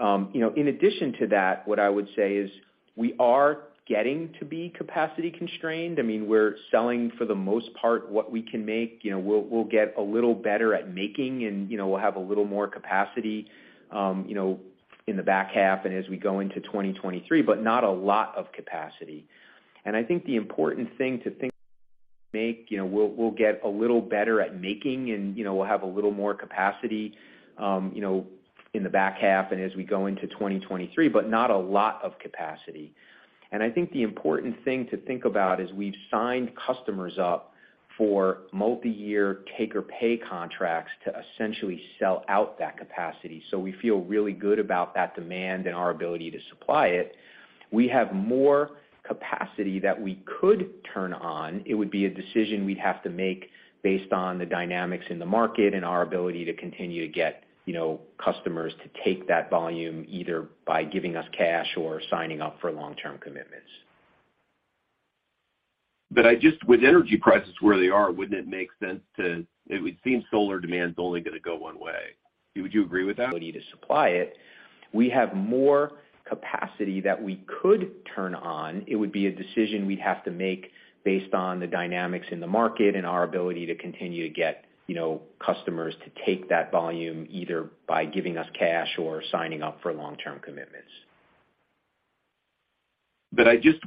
D: You know, in addition to that, what I would say is we are getting to be capacity constrained. I mean, we're selling, for the most part, what we can make. You know, we'll get a little better at making and, you know, we'll have a little more capacity, you know, in the back half and as we go into 2023, but not a lot of capacity. I think the important thing to think about is we've signed customers up for multiyear take or pay contracts to essentially sell out that capacity. We feel really good about that demand and our ability to supply it. We have more capacity that we could turn on. It would be a decision we'd have to make based on the dynamics in the market and our ability to continue to get, you know, customers to take that volume, either by giving us cash or signing up for long-term commitments.
H: With energy prices where they are, wouldn't it make sense to? It would seem Solar demand's only gonna go one way. Would you agree with that?
D: Ability to supply it. We have more capacity that we could turn on. It would be a decision we'd have to make based on the dynamics in the market and our ability to continue to get, you know, customers to take that volume, either by giving us cash or signing up for long-term commitments.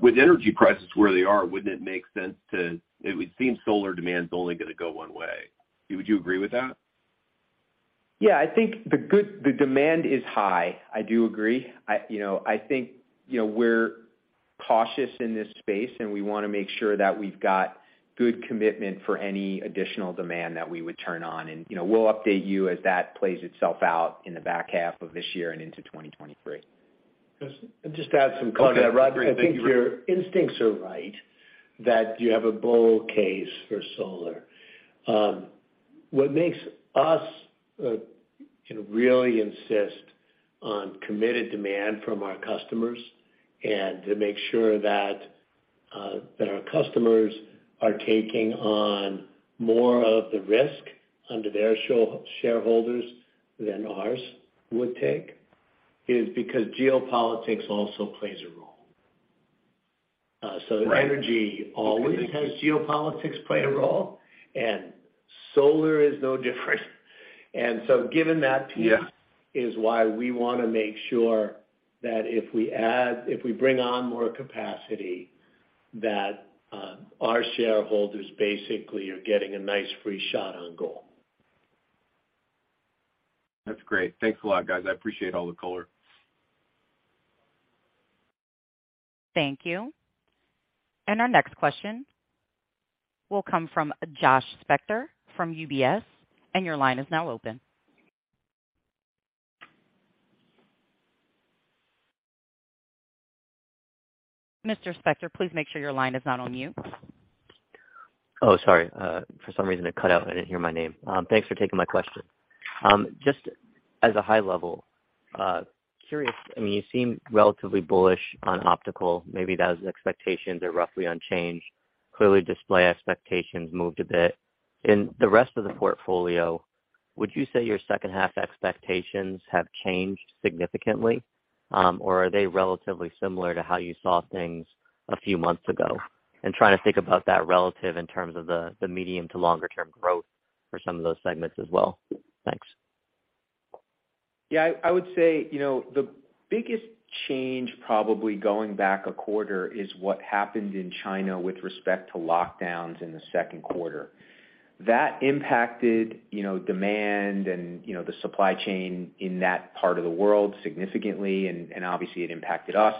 H: With energy prices where they are, wouldn't it make sense to. It would seem Solar demand's only gonna go one way. Would you agree with that?
D: Yeah, I think the demand is high, I do agree. I, you know, I think, you know, we're cautious in this space, and we wanna make sure that we've got good commitment for any additional demand that we would turn on. We'll update you as that plays itself out in the back half of this year and into 2023.
C: Just to add some color there, Rod. I think your instincts are right that you have a bull case for Solar. What makes us, you know, really insist on committed demand from our customers and to make sure that that our customers are taking on more of the risk under their own shareholders than ours would take is because geopolitics also plays a role. Energy always has geopolitics play a role, and Solar is no different. Given that piece is why we wanna make sure that if we add, if we bring on more capacity, that our shareholders basically are getting a nice free shot on goal.
H: That's great. Thanks a lot, guys. I appreciate all the color.
A: Thank you. Our next question will come from Josh Spector from UBS, and your line is now open. Mr. Spector, please make sure your line is not on mute.
I: Oh, sorry. For some reason it cut out. I didn't hear my name. Thanks for taking my question. Just as a high level, curious, I mean, you seem relatively bullish on Optical. Maybe that was, expectations are roughly unchanged. Clearly, Display expectations moved a bit. In the rest of the portfolio, would you say your second half expectations have changed significantly, or are they relatively similar to how you saw things a few months ago? Trying to think about that relative in terms of the medium to longer term growth for some of those segments as well. Thanks.
D: Yeah, I would say, you know, the biggest change probably going back a quarter is what happened in China with respect to lockdowns in the second quarter. That impacted, you know, demand and, you know, the supply chain in that part of the world significantly, and obviously it impacted us.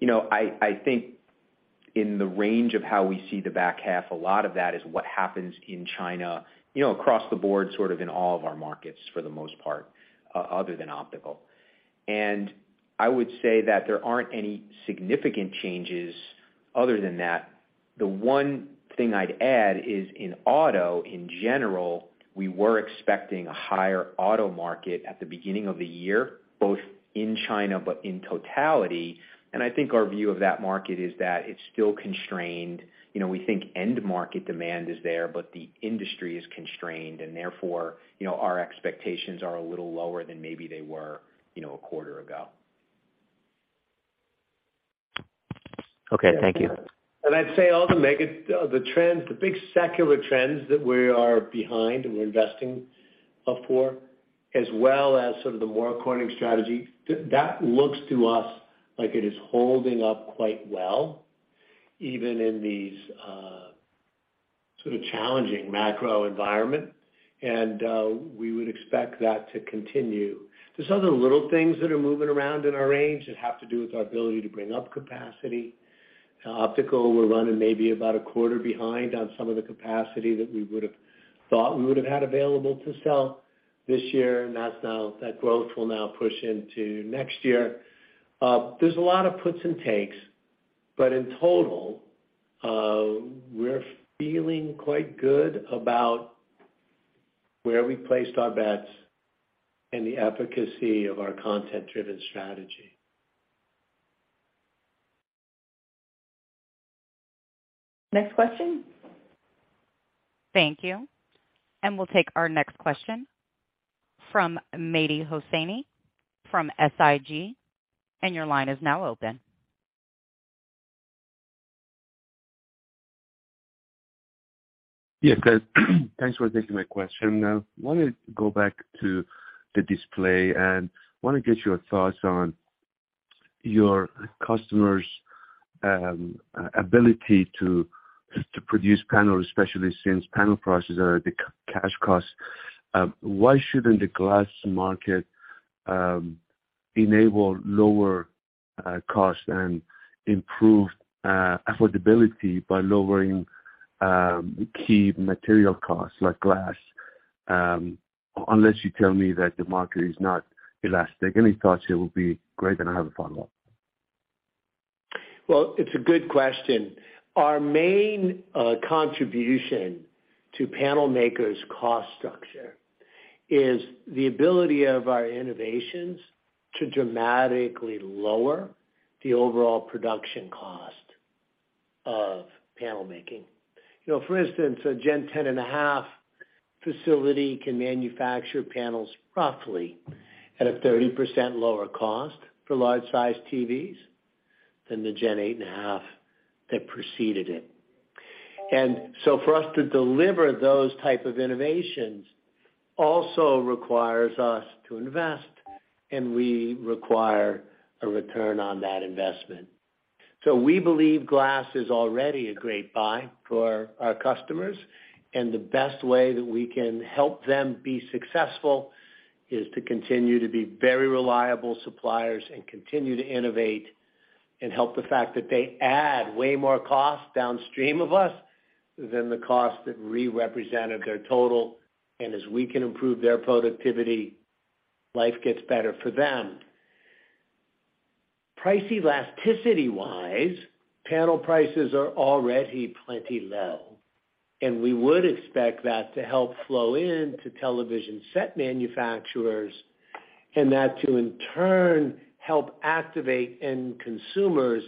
D: You know, I think in the range of how we see the back half, a lot of that is what happens in China, you know, across the board, sort of in all of our markets for the most part, other than Optical. I would say that there aren't any significant changes other than that. The one thing I'd add is in auto, in general, we were expecting a higher auto market at the beginning of the year, both in China, but in totality. I think our view of that market is that it's still constrained. You know, we think end market demand is there, but the industry is constrained, and therefore, you know, our expectations are a little lower than maybe they were, you know, a quarter ago.
I: Okay. Thank you.
C: I'd say the trends, the big secular trends that we are behind and we're investing for, as well as sort of the more Corning strategy, that looks to us like it is holding up quite well, even in these sort of challenging macro environment. We would expect that to continue. There's other little things that are moving around in our range that have to do with our ability to bring up capacity. Optical, we're running maybe about a quarter behind on some of the capacity that we would've thought we would've had available to sell this year, and that growth will now push into next year. There's a lot of puts and takes, but in total, we're feeling quite good about where we placed our bets and the efficacy of our content-driven strategy.
B: Next question.
A: Thank you. We'll take our next question from Mehdi Hosseini from SIG, and your line is now open.
J: Yes, guys. Thanks for taking my question. Now, wanted to go back to the Display and wanna get your thoughts on your customers' ability to produce panels, especially since panel prices are at the cash cost. Why shouldn't the glass market enable lower costs and improve affordability by lowering key material costs like glass? Unless you tell me that the market is not elastic. Any thoughts here will be great, and I have a follow-up.
C: Well, it's a good question. Our main contribution to panel makers' cost structure is the ability of our innovations to dramatically lower the overall production cost of panel making. You know, for instance, a Gen 10.5 facility can manufacture panels roughly at a 30% lower cost for large-sized TVs than the Gen 8.5 that preceded it. For us to deliver those types of innovations also requires us to invest, and we require a return on that investment. We believe glass is already a great buy for our customers, and the best way that we can help them be successful is to continue to be very reliable suppliers and continue to innovate and help the fact that they add way more cost downstream of us than the cost that we represented their total. As we can improve their productivity, life gets better for them. Price elasticity-wise, panel prices are already plenty low, and we would expect that to help flow in to television set manufacturers, and that to in turn help activate end consumers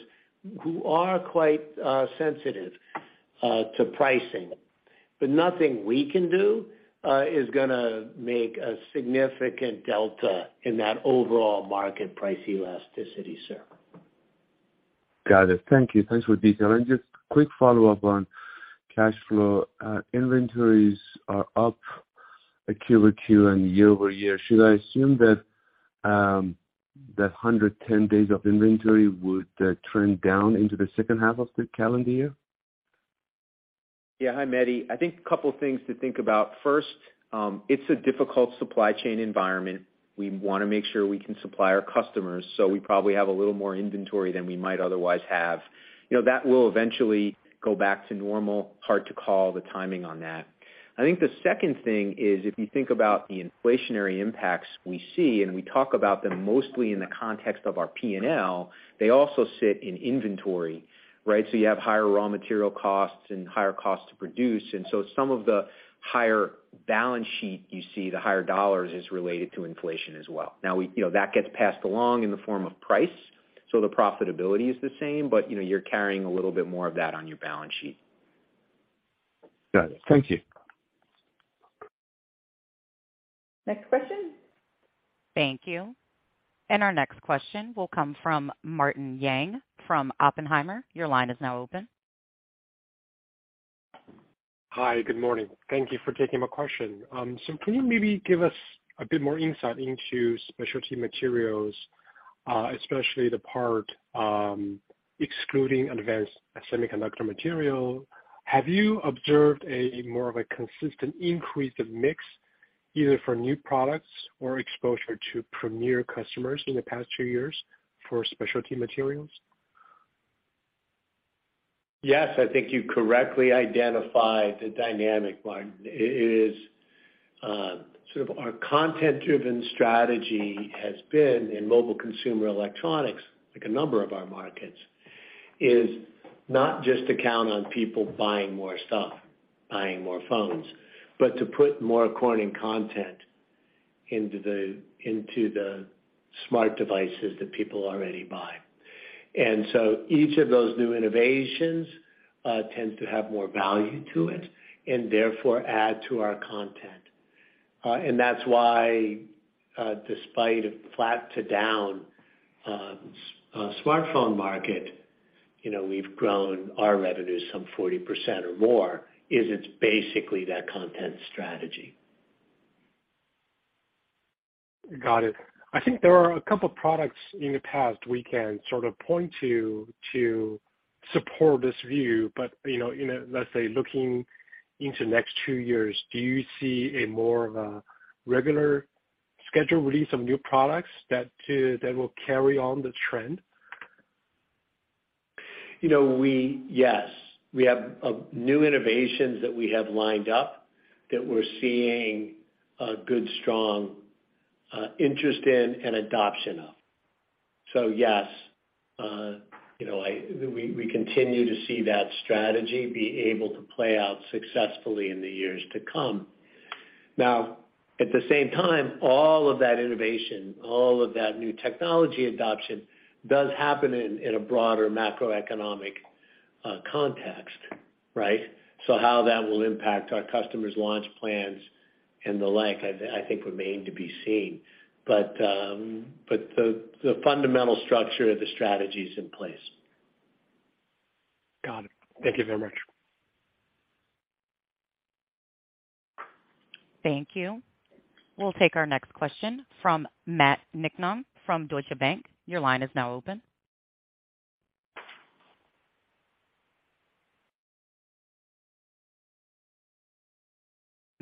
C: who are quite sensitive to pricing. Nothing we can do is gonna make a significant delta in that overall market price elasticity, sir.
J: Got it. Thank you. Thanks for detail. Just quick follow-up on cash flow. Inventories are up a Q-over-Q and year-over-year. Should I assume that 110 days of inventory would trend down into the second half of the calendar year?
D: Yeah. Hi, Mehdi. I think a couple things to think about. First, it's a difficult supply chain environment. We wanna make sure we can supply our customers, so we probably have a little more inventory than we might otherwise have. You know, that will eventually go back to normal. Hard to call the timing on that. I think the second thing is, if you think about the inflationary impacts we see, and we talk about them mostly in the context of our P&L, they also sit in inventory, right? So you have higher raw material costs and higher costs to produce. Some of the higher balance sheet you see, the higher dollars, is related to inflation as well. Now, you know, that gets passed along in the form of price, so the profitability is the same. You know, you're carrying a little bit more of that on your balance sheet.
J: Got it. Thank you.
B: Next question.
A: Thank you. Our next question will come from Martin Yang from Oppenheimer. Your line is now open.
K: Hi. Good morning. Thank you for taking my question. Can you maybe give us a bit more insight into specialty materials, especially the part excluding advanced semiconductor material? Have you observed more of a consistent increase of mix, either for new products or exposure to premier customers in the past two years for specialty materials?
C: Yes, I think you correctly identified the dynamic, Martin. It is sort of our content-driven strategy has been in Mobile Consumer Electronics, like a number of our markets, is not just to count on people buying more stuff, buying more phones, but to put more Corning content into the smart devices that people already buy. Each of those new innovations tend to have more value to it and therefore add to our content. That's why, despite a flat to down smartphone market, you know, we've grown our revenues some 40% or more, it's basically that content strategy.
K: Got it. I think there are a couple of products in the past we can sort of point to support this view, but, you know, in a, let's say, looking into next two years, do you see a more of a regular schedule release of new products that will carry on the trend?
C: You know, yes, we have new innovations that we have lined up that we're seeing a good, strong interest in and adoption of. Yes, you know, we continue to see that strategy be able to play out successfully in the years to come. Now, at the same time, all of that innovation, all of that new technology adoption does happen in a broader macroeconomic context, right? How that will impact our customers' launch plans and the like, I think remain to be seen. But the fundamental structure of the strategy is in place.
K: Got it. Thank you very much.
A: Thank you. We'll take our next question from Matt Niknam from Deutsche Bank. Your line is now open.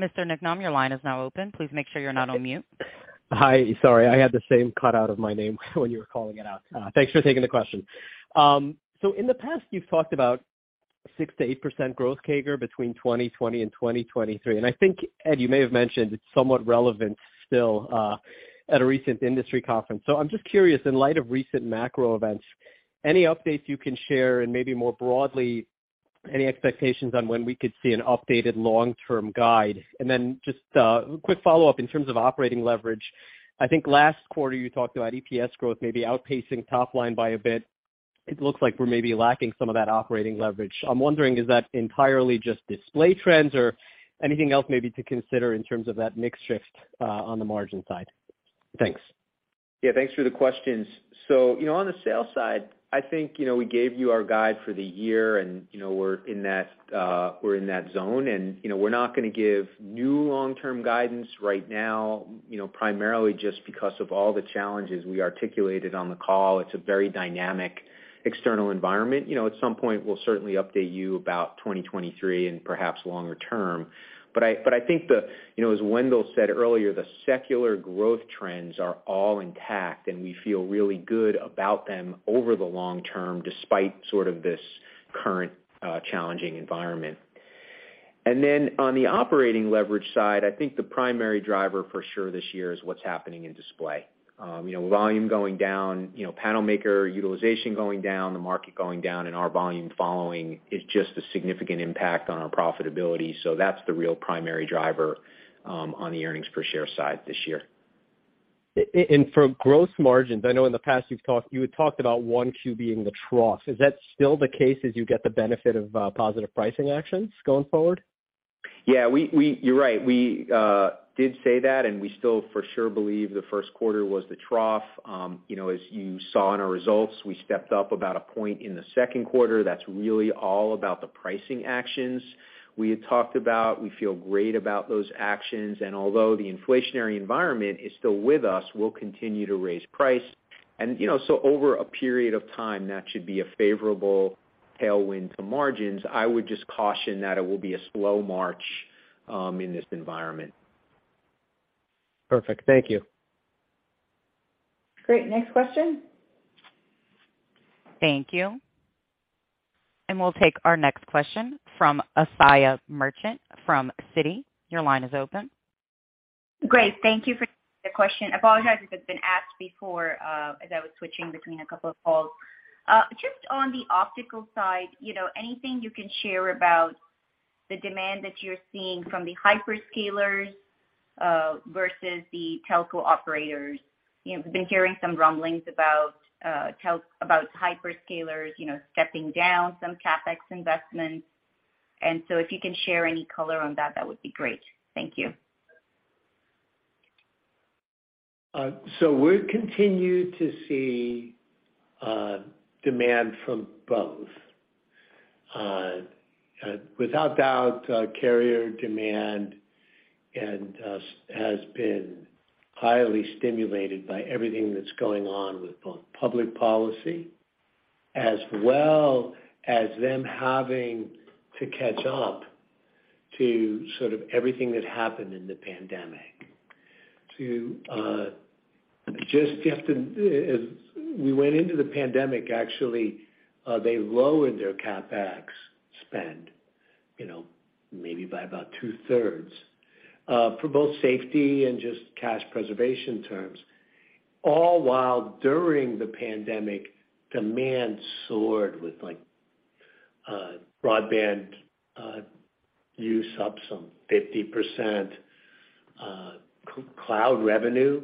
A: Mr. Niknam, your line is now open. Please make sure you're not on mute.
L: Hi. Sorry, I had the same cut out of my name when you were calling it out. Thanks for taking the question. In the past, you've talked about 6%-8% growth CAGR between 2020 and 2023. I think, Ed, you may have mentioned it's somewhat relevant still at a recent industry conference. I'm just curious, in light of recent macro events, any updates you can share and maybe more broadly, any expectations on when we could see an updated long-term guide? Then just quick follow-up, in terms of operating leverage, I think last quarter you talked about EPS growth maybe outpacing top line by a bit. It looks like we're maybe lacking some of that operating leverage. I'm wondering, is that entirely just Display trends or anything else maybe to consider in terms of that mix shift, on the margin side? Thanks.
D: Yeah, thanks for the questions. So, you know, on the sales side, I think, you know, we gave you our guide for the year, and, you know, we're in that zone. We're not gonna give new long-term guidance right now, you know, primarily just because of all the challenges we articulated on the call. It's a very dynamic external environment. You know, at some point, we'll certainly update you about 2023 and perhaps longer term. But I think the, you know, as Wendell said earlier, the secular growth trends are all intact, and we feel really good about them over the long term, despite sort of this current, challenging environment. Then on the operating leverage side, I think the primary driver for sure this year is what's happening in Display. You know, volume going down, you know, panel maker utilization going down, the market going down and our volume following is just a significant impact on our profitability. That's the real primary driver on the earnings per share side this year.
L: For gross margins, I know in the past you had talked about one Q being the trough. Is that still the case as you get the benefit of positive pricing actions going forward?
D: Yeah, you're right. We did say that, and we still for sure believe the first quarter was the trough. You know, as you saw in our results, we stepped up about a point in the second quarter. That's really all about the pricing actions we had talked about. We feel great about those actions. Although the inflationary environment is still with us, we'll continue to raise price. You know, so over a period of time, that should be a favorable tailwind to margins. I would just caution that it will be a slow march in this environment.
L: Perfect. Thank you.
C: Great. Next question.
A: Thank you. We'll take our next question from Asiya Merchant from Citi. Your line is open.
M: Great. Thank you for taking the question. Apologize if it's been asked before, as I was switching between a couple of calls. Just on the Optical side, you know, anything you can share about the demand that you're seeing from the hyperscalers, versus the telco operators? You know, we've been hearing some rumblings about hyperscalers, you know, stepping down some CapEx investments. If you can share any color on that would be great. Thank you.
C: We continue to see demand from both. Without doubt, carrier demand has been highly stimulated by everything that's going on with both public policy as well as them having to catch up to sort of everything that happened in the pandemic. As we went into the pandemic, actually, they lowered their CapEx spend, you know, maybe by about two-thirds, for both safety and just cash preservation terms, all while, during the pandemic, demand soared with, like, broadband use up some 50%, cloud revenue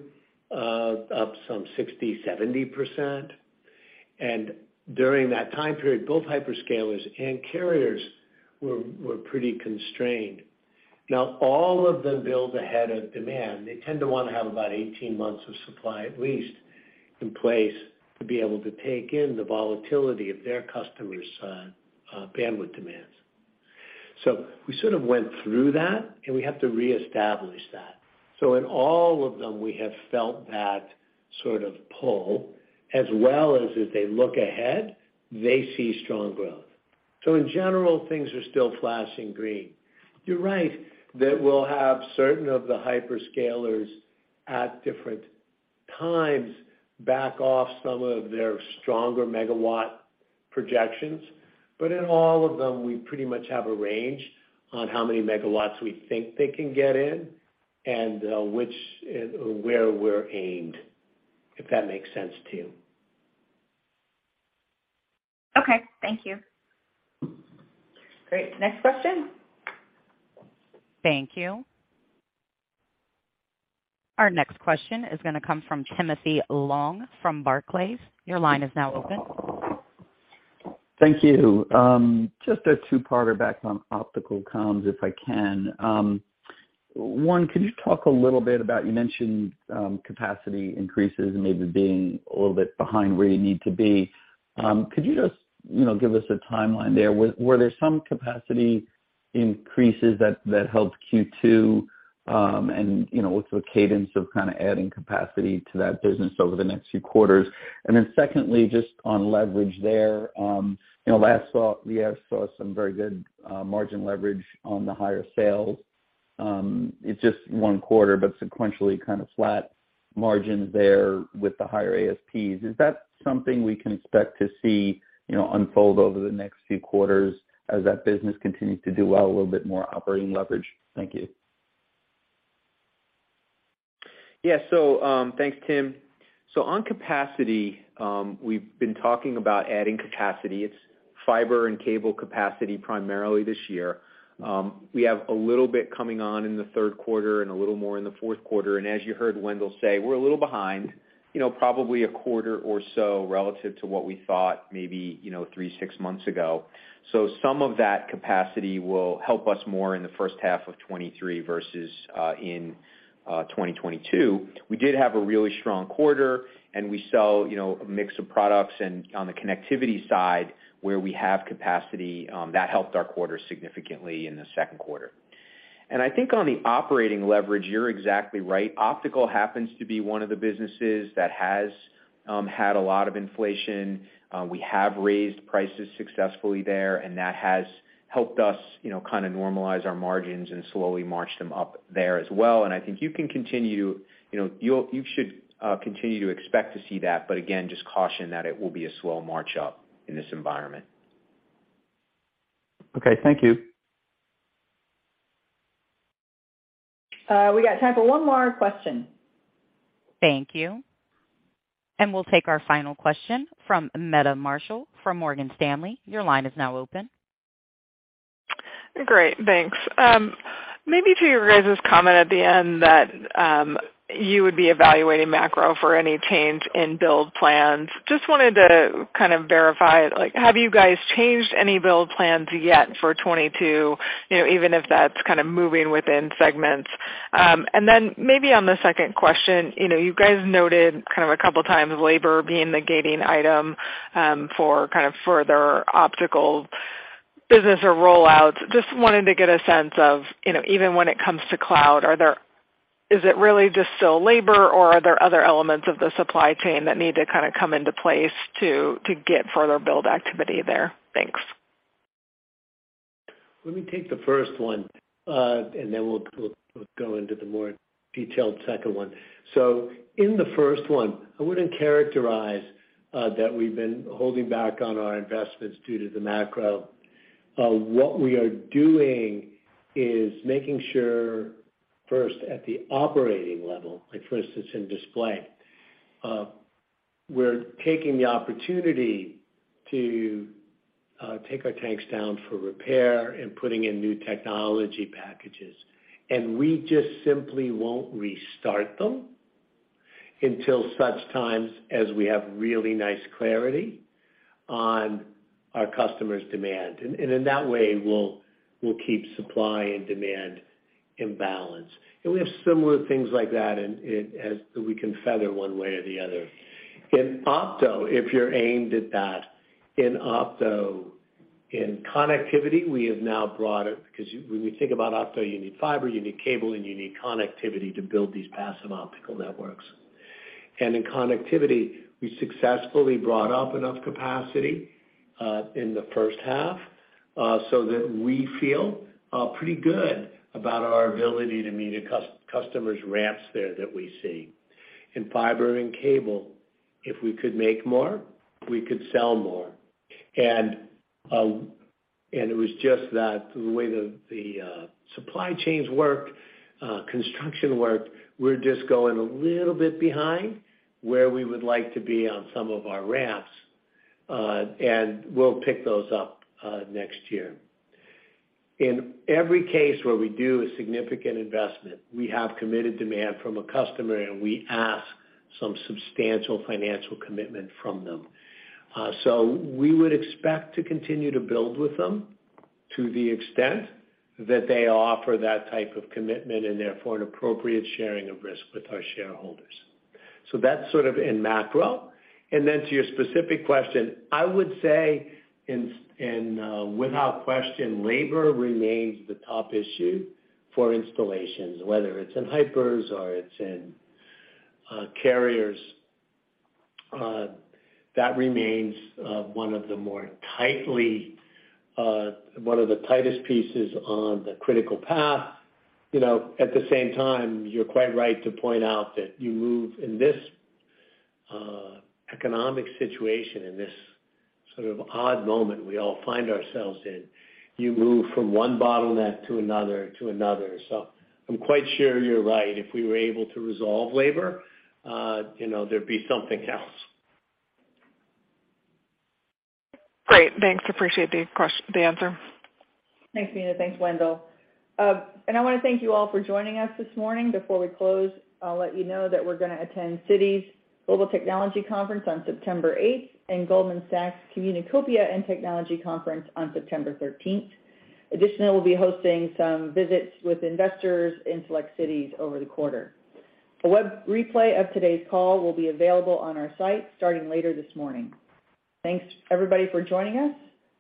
C: up some 60%-70%. During that time period, both hyperscalers and carriers were pretty constrained. Now, all of them build ahead of demand. They tend to wanna have about 18 months of supply, at least, in place to be able to take in the volatility of their customers' bandwidth demands. We sort of went through that, and we have to reestablish that. In all of them, we have felt that sort of pull as well as they look ahead, they see strong growth. In general, things are still flashing green. You're right that we'll have certain of the hyperscalers at different times back off some of their stronger megawatt projections. In all of them, we pretty much have a range on how many megawatts we think they can get in and which or where we're aimed, if that makes sense to you.
M: Okay, thank you.
B: Great. Next question.
A: Thank you. Our next question is gonna come from Timothy Long from Barclays. Your line is now open.
N: Thank you. Just a two-parter back on Optical comms, if I can. One, could you talk a little bit about, you mentioned, capacity increases maybe being a little bit behind where you need to be. Could you just, you know, give us a timeline there? Were there some capacity increases that helped Q2, and, you know, what's the cadence of kinda adding capacity to that business over the next few quarters? And then secondly, just on leverage there, you know, we last saw some very good margin leverage on the higher sales. It's just one quarter, but sequentially kinda flat margins there with the higher ASPs. Is that something we can expect to see, you know, unfold over the next few quarters as that business continues to do well, a little bit more operating leverage? Thank you.
D: Yeah. Thanks, Tim. On capacity, we've been talking about adding capacity. It's fiber and cable capacity primarily this year. We have a little bit coming on in the third quarter and a little more in the fourth quarter. As you heard Wendell say, we're a little behind, you know, probably a quarter or so relative to what we thought maybe, you know, three to six months ago. Some of that capacity will help us more in the first half of 2023 versus in 2022. We did have a really strong quarter, and we saw, you know, a mix of products and on the connectivity side where we have capacity, that helped our quarter significantly in the second quarter. I think on the operating leverage, you're exactly right. Optical happens to be one of the businesses that has had a lot of inflation. We have raised prices successfully there, and that has helped us, you know, kinda normalize our margins and slowly march them up there as well. I think you should continue to expect to see that. Again, just caution that it will be a slow march up in this environment.
N: Okay, thank you.
B: We got time for one more question.
A: Thank you. We'll take our final question from Meta Marshall from Morgan Stanley. Your line is now open.
O: Great, thanks. Maybe to you guys' comment at the end that you would be evaluating macro for any change in build plans, just wanted to kind of verify, like, have you guys changed any build plans yet for 2022, you know, even if that's kinda moving within segments? Maybe on the second question, you know, you guys noted kind of a couple times labor being the gating item for kind of further Optical business or rollouts. Just wanted to get a sense of, you know, even when it comes to cloud, is it really just still labor, or are there other elements of the supply chain that need to kinda come into place to get further build activity there? Thanks.
C: Let me take the first one, and then we'll go into the more detailed second one. In the first one, I wouldn't characterize that we've been holding back on our investments due to the macro. What we are doing is making sure first at the operating level, like for instance, in Display, we're taking the opportunity to take our tanks down for repair and putting in new technology packages. We just simply won't restart them until such times as we have really nice clarity on our customers' demand. In that way, we'll keep supply and demand in balance. We have similar things like that in as we can feather one way or the other. In Opto, if you're aimed at that, in Opto, in connectivity, we have now brought it—'cause when we think about Opto, you need fiber, you need cable, and you need connectivity to build these passive Optical networks. In connectivity, we successfully brought up enough capacity in the first half so that we feel pretty good about our ability to meet a customer's ramps there that we see. In fiber and cable, if we could make more, we could sell more. It was just that the way the supply chains and construction work, we're just going a little bit behind where we would like to be on some of our ramps. We'll pick those up next year. In every case where we do a significant investment, we have committed demand from a customer, and we ask some substantial financial commitment from them. We would expect to continue to build with them to the extent that they offer that type of commitment and therefore an appropriate sharing of risk with our shareholders. That's sort of in macro. To your specific question, I would say without question, labor remains the top issue for installations, whether it's in hypers or it's in carriers. That remains one of the tightest pieces on the critical path. You know, at the same time, you're quite right to point out that you move in this economic situation, in this sort of odd moment we all find ourselves in, you move from one bottleneck to another to another. I'm quite sure you're right. If we were able to resolve labor, you know, there'd be something else.
O: Great. Thanks. Appreciate the answer.
B: Thanks, Meta. Thanks, Wendell. I wanna thank you all for joining us this morning. Before we close, I'll let you know that we're gonna attend Citi Global Technology Conference on September eighth and Goldman Sachs Communacopia & Technology Conference on September 13th. Additionally, we'll be hosting some visits with investors in select cities over the quarter. A web replay of today's call will be available on our site starting later this morning. Thanks everybody for joining us.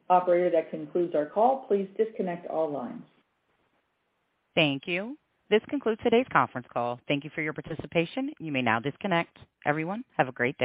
B: Operator, that concludes our call. Please disconnect all lines.
A: Thank you. This concludes today's conference call. Thank you for your participation. You may now disconnect. Everyone, have a great day.